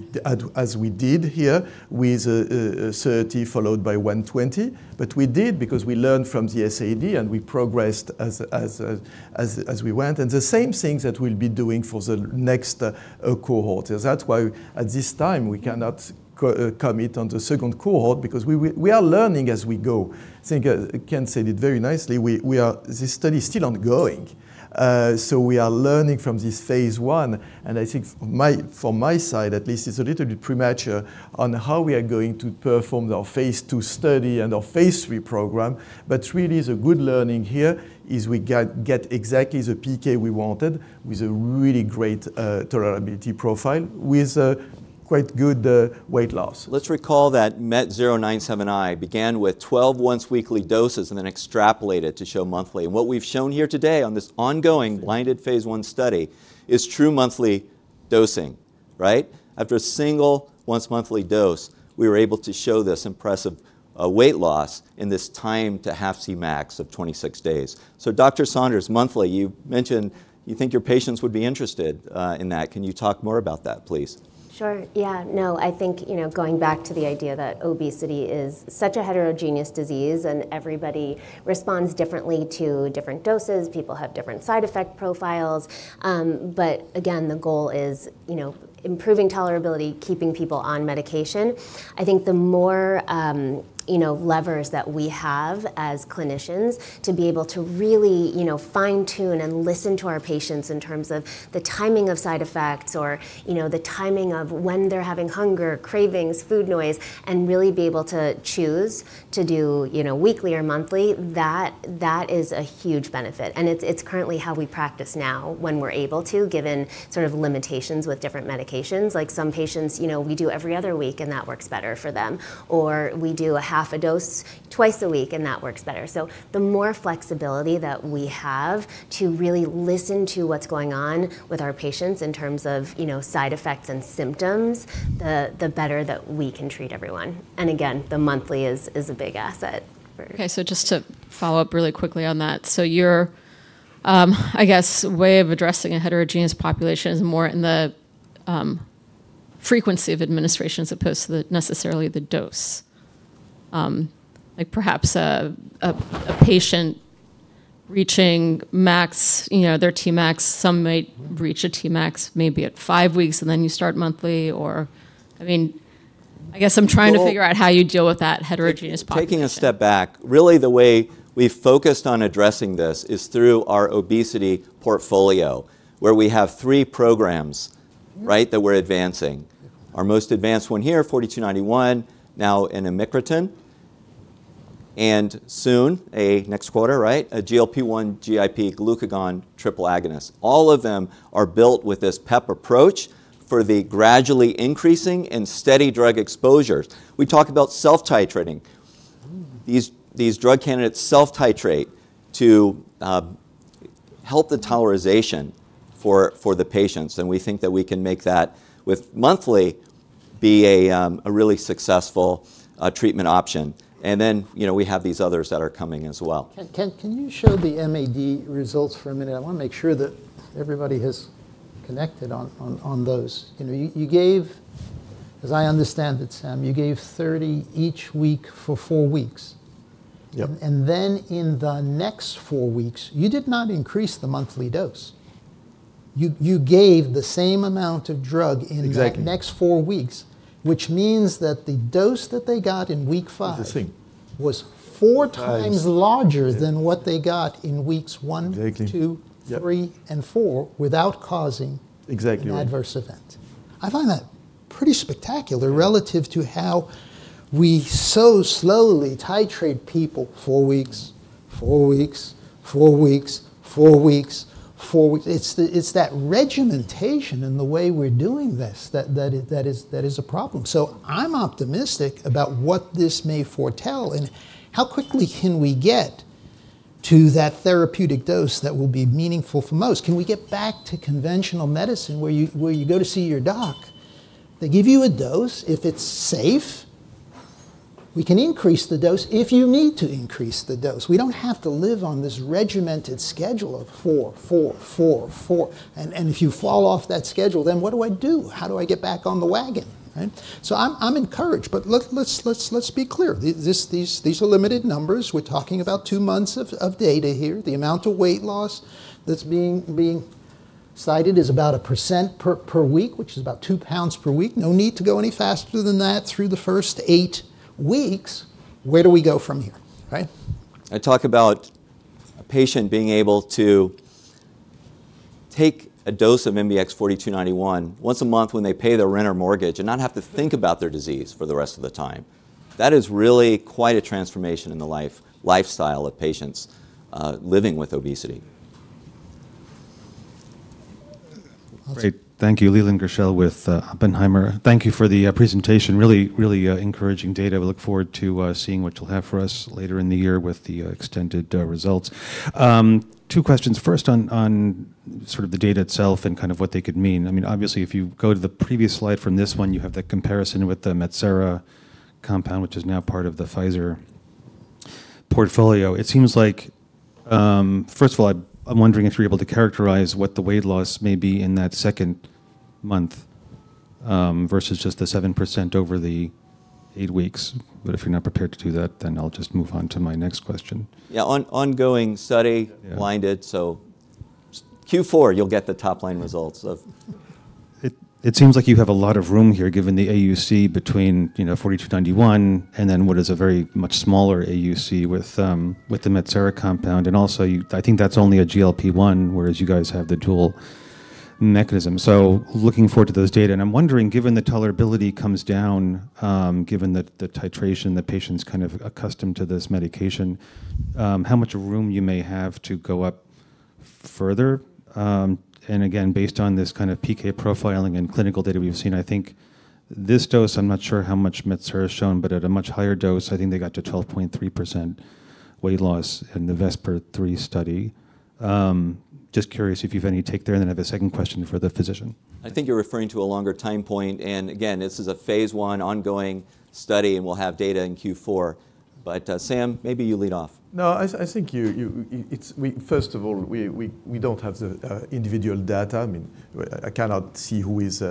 as we did here with 30 followed by 120, but we did because we learned from the SAD, and we progressed as we went. The same things that we'll be doing for the next cohort. That's why at this time we cannot commit on the second cohort because we are learning as we go. I think Kent said it very nicely. This study is still ongoing. We are learning from this phase I, and I think from my side at least, it's a little bit premature on how we are going to perform our phase II study and our phase III program. Really the good learning here is we get exactly the PK we wanted with a really great tolerability profile with quite good weight loss. Let's recall that MBX-2109 began with 12 once-weekly doses and then extrapolated to show monthly. What we've shown here today on this ongoing blinded phase I study is true monthly dosing, right? After a single once-monthly dose, we were able to show this impressive weight loss in this time to half Cmax of 26 days. Dr. Saunders, monthly, you mentioned you think your patients would be interested in that. Can you talk more about that, please? Sure, yeah. No, I think, you know, going back to the idea that obesity is such a heterogeneous disease, and everybody responds differently to different doses, people have different side effect profiles. Again, the goal is, you know, improving tolerability, keeping people on medication. I think the more, you know, levers that we have as clinicians to be able to really, you know, fine-tune and listen to our patients in terms of the timing of side effects or, you know, the timing of when they're having hunger, cravings, food noise, and really be able to choose to do, you know, weekly or monthly, that is a huge benefit. It's currently how we practice now when we're able to, given sort of limitations with different medications. Like some patients, you know, we do every other week, and that works better for them. We do a half a dose twice a week, and that works better. The more flexibility that we have to really listen to what's going on with our patients in terms of, you know, side effects and symptoms, the better that we can treat everyone. Again, the monthly is a big asset. Okay, just to follow up really quickly on that. Your, I guess, way of addressing a heterogeneous population is more in the frequency of administration as opposed to the, necessarily the dose. Like perhaps a patient reaching max, you know, their Tmax, some might reach a Tmax maybe at 5 weeks, and then you start monthly or I mean, I guess I'm trying to figure out how you deal with that heterogeneous population? Taking a step back. Really, the way we've focused on addressing this is through our obesity portfolio, where we have three programs. Right, that we're advancing. Our most advanced one here, 4291, now in amycretin. Soon, a next quarter, right, a GLP-1 GIP glucagon triple agonist. All of them are built with this PEP approach for the gradually increasing and steady drug exposures. We talk about self-titrating. These drug candidates self-titrate to help the tolerization for the patients. We think that we can make that with monthly be a really successful treatment option. You know, we have these others that are coming as well. Kent, can you show the MAD results for a minute? I wanna make sure that everybody has connected on those. You know, you gave, as I understand it, Sam, you gave 30 each week for 4 weeks. Yep. In the next four weeks, you did not increase the monthly dose. You gave the same amount of drug in- Exactly that next four weeks, which means that the dose that they got in week 5. Is the same. was 4x Times larger than what they got in weeks. Exactly 2, 3 Yep four without causing- Exactly right. An adverse event. I find that pretty spectacular relative to how we so slowly titrate people 4 weeks, 4 weeks, 4 weeks, 4 weeks, 4 weeks. It's that regimentation in the way we're doing this that is a problem. I'm optimistic about what this may foretell and how quickly can we get to that therapeutic dose that will be meaningful for most. Can we get back to conventional medicine where you go to see your doc, they give you a dose. If it's safe, we can increase the dose if you need to increase the dose. We don't have to live on this regimented schedule of 4, 4. If you fall off that schedule, then what do I do? How do I get back on the wagon, right? I'm encouraged, but look, let's be clear. These are limited numbers. We're talking about 2 months of data here. The amount of weight loss that's being cited is about 1% per week, which is about 2 pounds per week. No need to go any faster than that through the first 8 weeks. Where do we go from here, right? I talk about a patient being able to take a dose of MBX 4291 once a month when they pay their rent or mortgage and not have to think about their disease for the rest of the time. That is really quite a transformation in the lifestyle of patients living with obesity. Great. Thank you. Leland Gershell with Oppenheimer. Thank you for the presentation. Really encouraging data. We look forward to seeing what you'll have for us later in the year with the extended results. 2 questions. First on sort of the data itself and kind of what they could mean. I mean, obviously, if you go to the previous slide from this one, you have the comparison with the Metsera compound, which is now part of the Pfizer portfolio. It seems like First of all, I'm wondering if you're able to characterize what the weight loss may be in that second month, versus just the 7% over the 8 weeks. If you're not prepared to do that, I'll just move on to my next question. Yeah, ongoing study. Yeah. Blinded, Q4 you'll get the top-line results. It seems like you have a lot of room here, given the AUC between, you know, 4291 and then what is a very much smaller AUC with the Metsera compound. Also, I think that's only a GLP-1, whereas you guys have the dual mechanism. Looking forward to those data. I'm wondering, given the tolerability comes down, given the titration, the patient's kind of accustomed to this medication, how much room you may have to go up further. Again, based on this kind of PK profiling and clinical data we've seen, I think this dose, I'm not sure how much Metsera has shown, but at a much higher dose, I think they got to 12.3% weight loss in the VESPER-3 study. Just curious if you have any take there, and then I have a second question for the physician. I think you're referring to a longer time point, and again, this is a phase I ongoing study, and we'll have data in Q4. Sam, maybe you lead off. No, I think you, first of all, we don't have the individual data. I mean, I cannot see who is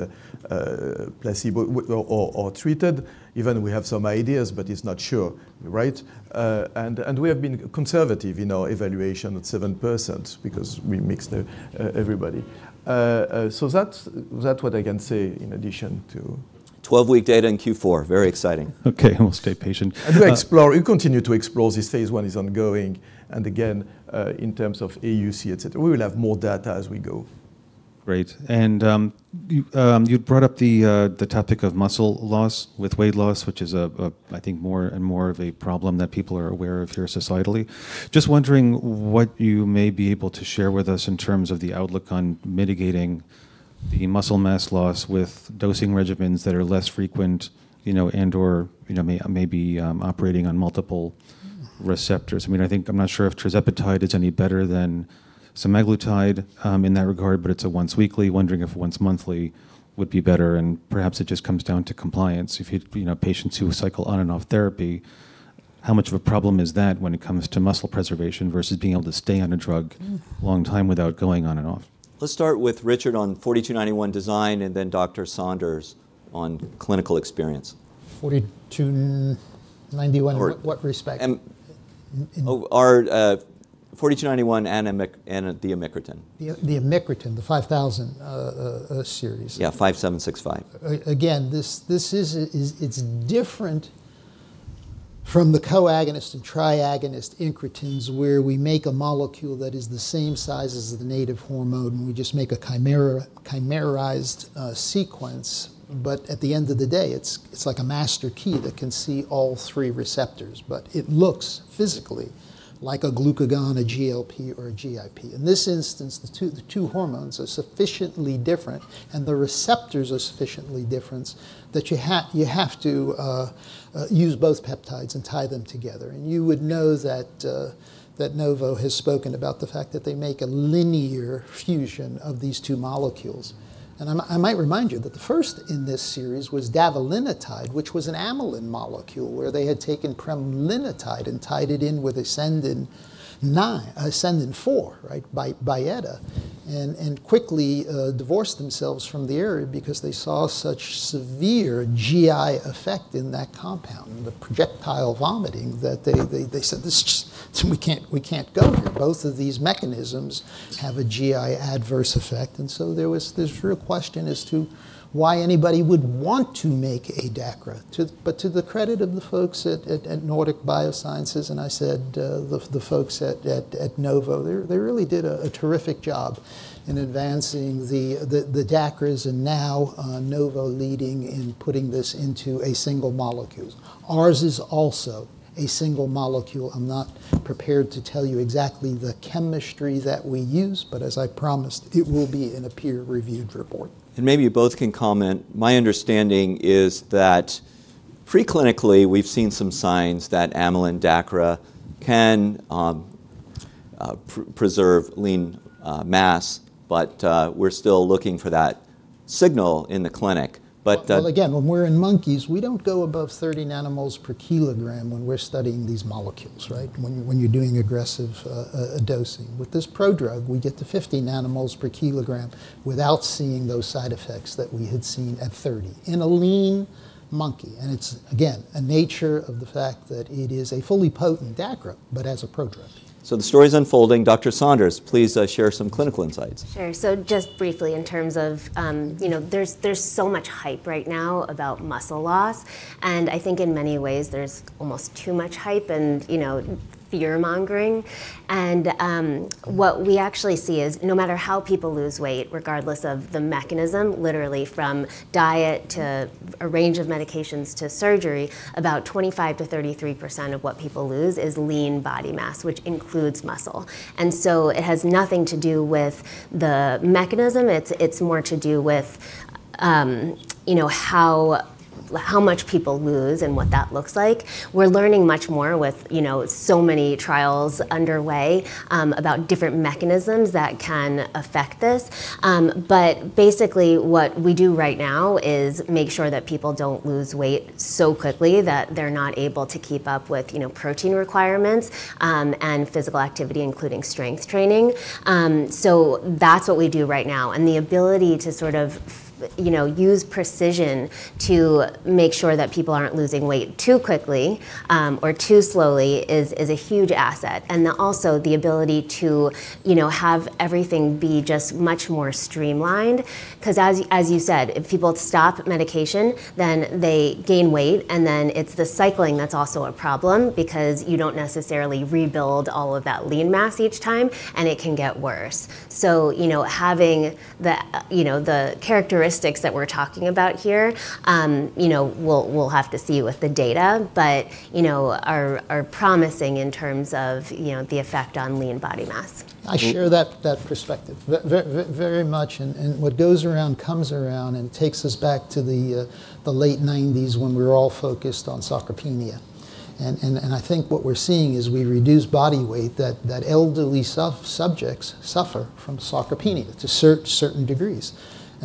placebo or treated. Even we have some ideas, but it's not sure, right? We have been conservative in our evaluation at 7% because we mixed everybody. That's what I can say in addition to. 12-week data in Q4. Very exciting. Okay, we'll stay patient. We continue to explore, this phase I is ongoing. Again, in terms of AUC, et cetera, we will have more data as we go. Great. You brought up the topic of muscle loss with weight loss, which is a, I think more and more of a problem that people are aware of here societally. Just wondering what you may be able to share with us in terms of the outlook on mitigating the muscle mass loss with dosing regimens that are less frequent, you know, and/or, you know, may be operating on multiple receptors. I mean, I think I'm not sure if tirzepatide is any better than semaglutide in that regard, but it's a once weekly. Wondering if once monthly would be better, and perhaps it just comes down to compliance. If you know, patients who cycle on and off therapy, how much of a problem is that when it comes to muscle preservation versus being able to stay on a drug long time without going on and off? Let's start with Richard on 4291 design and then Dr. Saunders on clinical experience. 4291 in what respect? Our 4291 and the amycretin. The amycretin, the 5,000 series. Yeah, 5765. Again, this is different from the co-agonist and triagonist incretins where we make a molecule that is the same size as the native hormone, and we just make a chimera, chimerized sequence. At the end of the day, it's like a master key that can see all three receptors. It looks physically like a glucagon, a GLP or a GIP. In this instance, the two hormones are sufficiently different, and the receptors are sufficiently different that you have to use both peptides and tie them together. You would know that Novo has spoken about the fact that they make a linear fusion of these two molecules. I might remind you that the first in this series was davalintide, which was an amylin molecule, where they had taken pramlintide and tied it in with exendin-4, right. Byetta. Quickly divorced themselves from the area because they saw such severe GI effect in that compound, and the projectile vomiting that they said, "We can't go here. Both of these mechanisms have a GI adverse effect." There was this real question as to why anybody would want to make a DACRA. To the credit of the folks at Nordic Bioscience, and I said, the folks at Novo, they really did a terrific job in advancing the DACRAs and now Novo leading in putting this into a single molecule. Ours is also a single molecule. I'm not prepared to tell you exactly the chemistry that we use, but as I promised, it will be in a peer-reviewed report. Maybe you both can comment. My understanding is that preclinically, we've seen some signs that amylin DACRA can preserve lean mass, but we're still looking for that signal in the clinic. Well, again, when we're in monkeys, we don't go above 30 nanomoles per kilogram when we're studying these molecules, right? When you're doing aggressive dosing, with this prodrug, we get to 15 nanomoles per kilogram without seeing those side effects that we had seen at 30 in a lean monkey. It's again, a nature of the fact that it is a fully potent DACRA, but as a prodrug. The story's unfolding. Dr. Saunders, please share some clinical insights. Sure. Just briefly in terms of, you know, there's so much hype right now about muscle loss, and I think in many ways, there's almost too much hype and, you know, fear-mongering. What we actually see is no matter how people lose weight, regardless of the mechanism, literally from diet to a range of medications to surgery, about 25%-33% of what people lose is lean body mass, which includes muscle. It has nothing to do with the mechanism. It's more to do with, you know, how much people lose and what that looks like. We're learning much more with, you know, so many trials underway about different mechanisms that can affect this. Basically, what we do right now is make sure that people don't lose weight so quickly that they're not able to keep up with, you know, protein requirements and physical activity, including strength training. That's what we do right now, and the ability to, you know, use precision to make sure that people aren't losing weight too quickly or too slowly is a huge asset. Also the ability to, you know, have everything be just much more streamlined, 'cause as you, as you said, if people stop medication, then they gain weight, and then it's the cycling that's also a problem because you don't necessarily rebuild all of that lean mass each time, and it can get worse. You know, having the, you know, the characteristics that we're talking about here, you know, we'll have to see with the data, but, you know, are promising in terms of, you know, the effect on lean body mass. I share that perspective very much. What goes around comes around and takes us back to the late 1990s when we were all focused on sarcopenia. I think what we're seeing as we reduce body weight, that elderly subjects suffer from sarcopenia to certain degrees.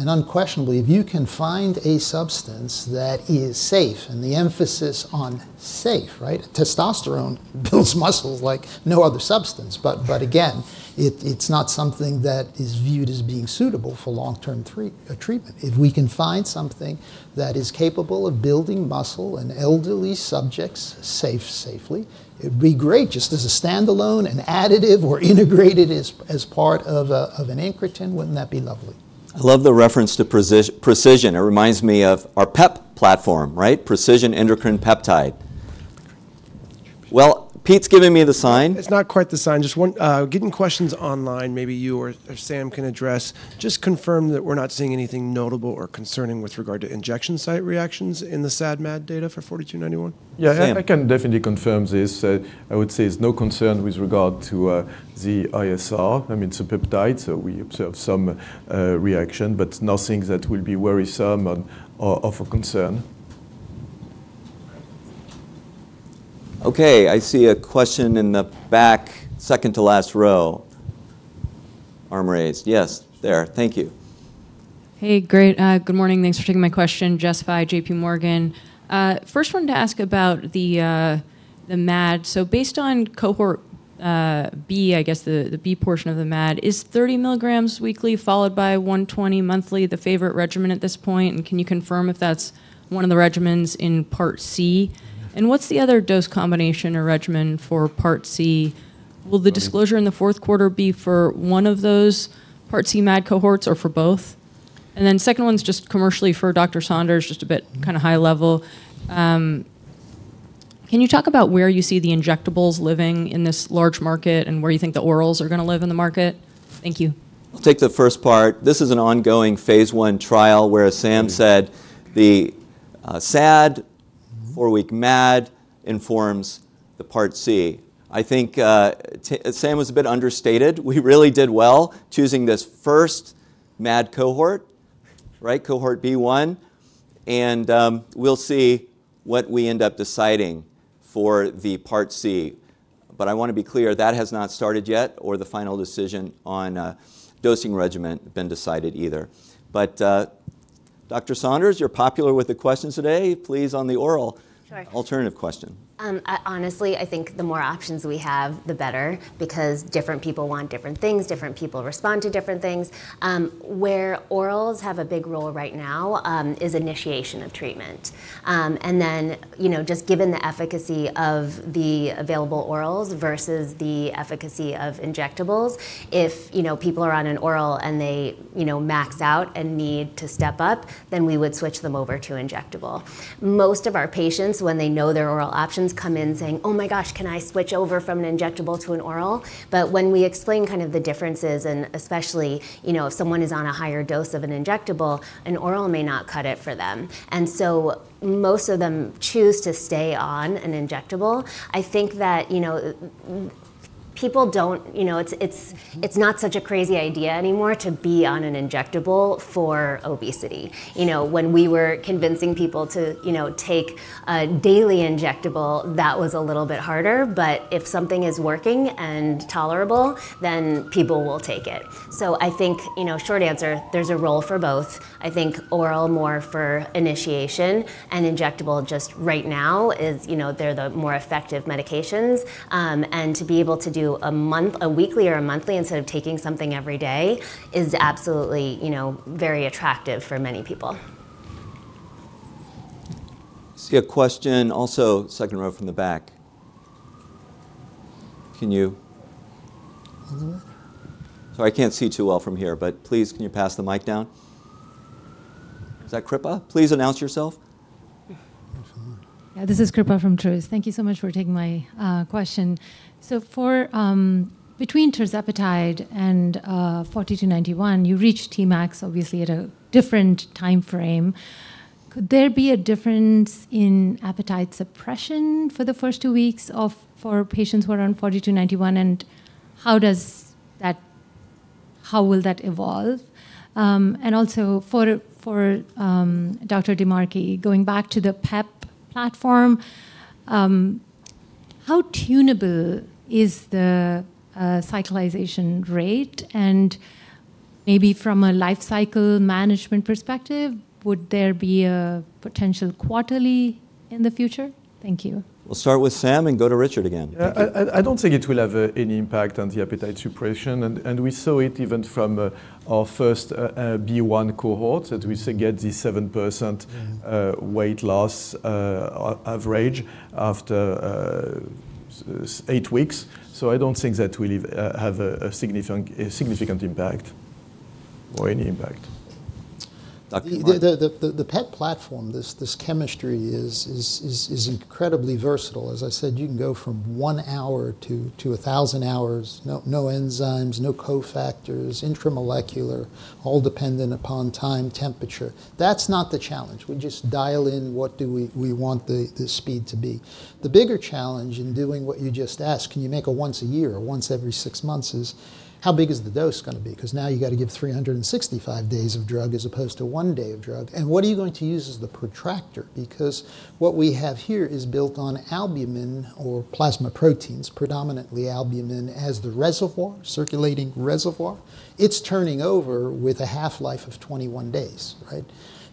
Unquestionably, if you can find a substance that is safe, and the emphasis on safe, right? Testosterone builds muscles like no other substance, but again, it's not something that is viewed as being suitable for long-term treatment. If we can find something that is capable of building muscle in elderly subjects safely, it'd be great just as a standalone, an additive, or integrated as part of an anchor tenant. Wouldn't that be lovely? I love the reference to precision. It reminds me of our PEP platform, right? Precision Endocrine Peptide. Pete's giving me the sign. It's not quite the sign. Just one, getting questions online maybe you or Sam can address, just confirm that we're not seeing anything notable or concerning with regard to injection site reactions in the SAD/MAD data for 4291. Sam. Yeah, I can definitely confirm this. I would say there's no concern with regard to the ISR. I mean, it's a peptide, so we observe some reaction, but nothing that will be worrisome and or for concern. Okay, I see a question in the back, second to last row. Arm raised. Yes, there. Thank you. Hey, great. Good morning. Thanks for taking my question. Jess Fye, JPMorgan. First wanted to ask about the MAD. Based on cohort B, the B portion of the MAD, is 30 mgs weekly followed by 120 monthly the favorite regimen at this point? Can you confirm if that's one of the regimens in Part C? What's the other dose combination or regimen for Part C? Will the disclosure in the fourth quarter be for one of those Part C MAD cohorts or for both? Second one's just commercially for Dr. Saunders, just a bit kind of high level. Can you talk about where you see the injectables living in this large market, and where you think the orals are going to live in the market? Thank you. I'll take the first part. This is an ongoing phase I trial where Sam said the SAD, 4-week MAD informs the part C. I think Sam was a bit understated. We really did well choosing this first MAD cohort, right? Cohort B1, we'll see what we end up deciding for the part C. I wanna be clear, that has not started yet, or the final decision on dosing regimen been decided either. Dr. Saunders, you're popular with the questions today. Please, on the oral- Sure Alternative question. Honestly, I think the more options we have, the better, because different people want different things. Different people respond to different things. Where orals have a big role right now is initiation of treatment. Just given the efficacy of the available orals versus the efficacy of injectables, if, you know, people are on an oral and they, you know, max out and need to step up, then we would switch them over to injectable. Most of our patients, when they know their oral options, come in saying, "Oh my gosh, can I switch over from an injectable to an oral?" When we explain kind of the differences and especially, you know, if someone is on a higher dose of an injectable, an oral may not cut it for them. Most of them choose to stay on an injectable. I think that, you know, it's not such a crazy idea anymore to be on an injectable for obesity. You know, when we were convincing people to, you know, take a daily injectable, that was a little bit harder. If something is working and tolerable, then people will take it. I think, you know, short answer, there's a role for both. I think oral more for initiation and injectable just right now is, you know, they're the more effective medications. To be able to do a weekly or a monthly instead of taking something every day is absolutely, you know, very attractive for many people. I see a question also second row from the back. I can't see too well from here, but please, can you pass the mic down? Is that Kripa? Please announce yourself. Yeah, this is Kripa from Truist. Thank you so much for taking my question. Between tirzepatide and MBX 4291, you reach Tmax obviously at a different timeframe. Could there be a difference in appetite suppression for the first two weeks for patients who are on MBX 4291, and how will that evolve? Also for Dr. DiMarchi, going back to the PEP platform, how tunable is the cyclization rate? Maybe from a life cycle management perspective, would there be a potential quarterly in the future? Thank you. We'll start with Sam and go to Richard again. I don't think it will have any impact on the appetite suppression. We saw it even from our first B1 cohort, that we still get the 7% weight loss, average after eight weeks. I don't think that will have a significant impact or any impact. The PEP platform, this chemistry is incredibly versatile. As I said, you can go from 1 hour to 1,000 hours, no enzymes, no co-factors, intramolecular, all dependent upon time, temperature. That's not the challenge. We just dial in what do we want the speed to be. The bigger challenge in doing what you just asked, can you make a once a year or once every 6 months, is how big is the dose gonna be? 'Cause now you gotta give 365 days of drug as opposed to 1 day of drug, and what are you going to use as the protractor? Because what we have here is built on albumin or plasma proteins, predominantly albumin, as the reservoir, circulating reservoir. It's turning over with a half-life of 21 days, right?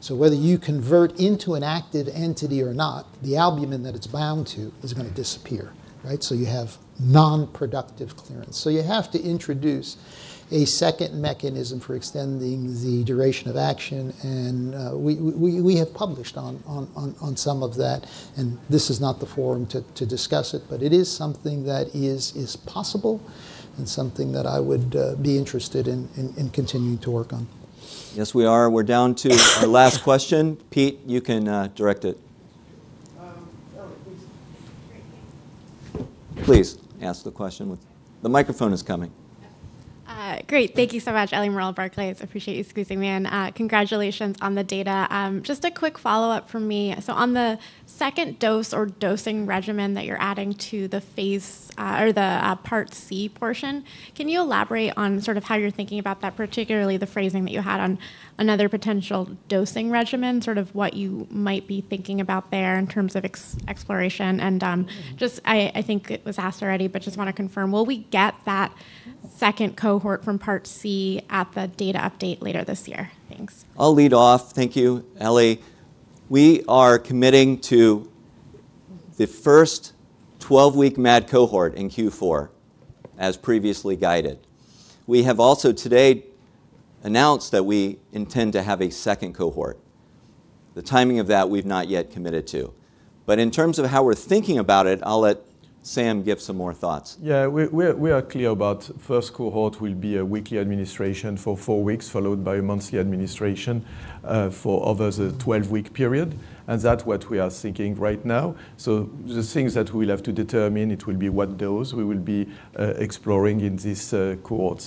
Whether you convert into an active entity or not, the albumin that it's bound to is gonna disappear, right? You have non-productive clearance. You have to introduce a second mechanism for extending the duration of action, and we have published on some of that, and this is not the forum to discuss it. It is something that is possible, and something that I would be interested in continuing to work on. Yes, we are. We're down to our last question. Pete, you can direct it. Please ask the question. The microphone is coming. Great. Thank you so much. Ellie Merle, Barclays. Appreciate you squeezing me in. Congratulations on the data. Just a quick follow-up from me. On the second dose or dosing regimen that you're adding to the phase, or the Part C portion, can you elaborate on sort of how you're thinking about that, particularly the phrasing that you had on another potential dosing regimen, sort of what you might be thinking about there in terms of exploration? Just, I think it was asked already, but just want to confirm, will we get that second cohort from Part C at the data update later this year? Thanks. I'll lead off. Thank you, Ellie. We are committing to the first 12-week MAD cohort in Q4, as previously guided. We have also today announced that we intend to have a second cohort. The timing of that we've not yet committed to. In terms of how we're thinking about it, I'll let Sam give some more thoughts. Yeah. We are clear about first cohort will be a weekly administration for four weeks, followed by a monthly administration for over the 12-week period. That what we are thinking right now. The things that we'll have to determine, it will be what dose we will be exploring in this cohort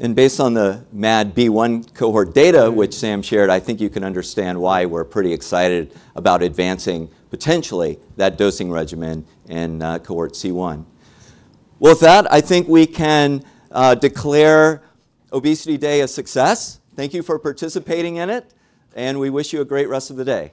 C. Based on the MAD-B1 cohort data, which Sam shared, I think you can understand why we're pretty excited about advancing potentially that dosing regimen in cohort C1. With that, I think we can declare Obesity Day a success. Thank you for participating in it, and we wish you a great rest of the day.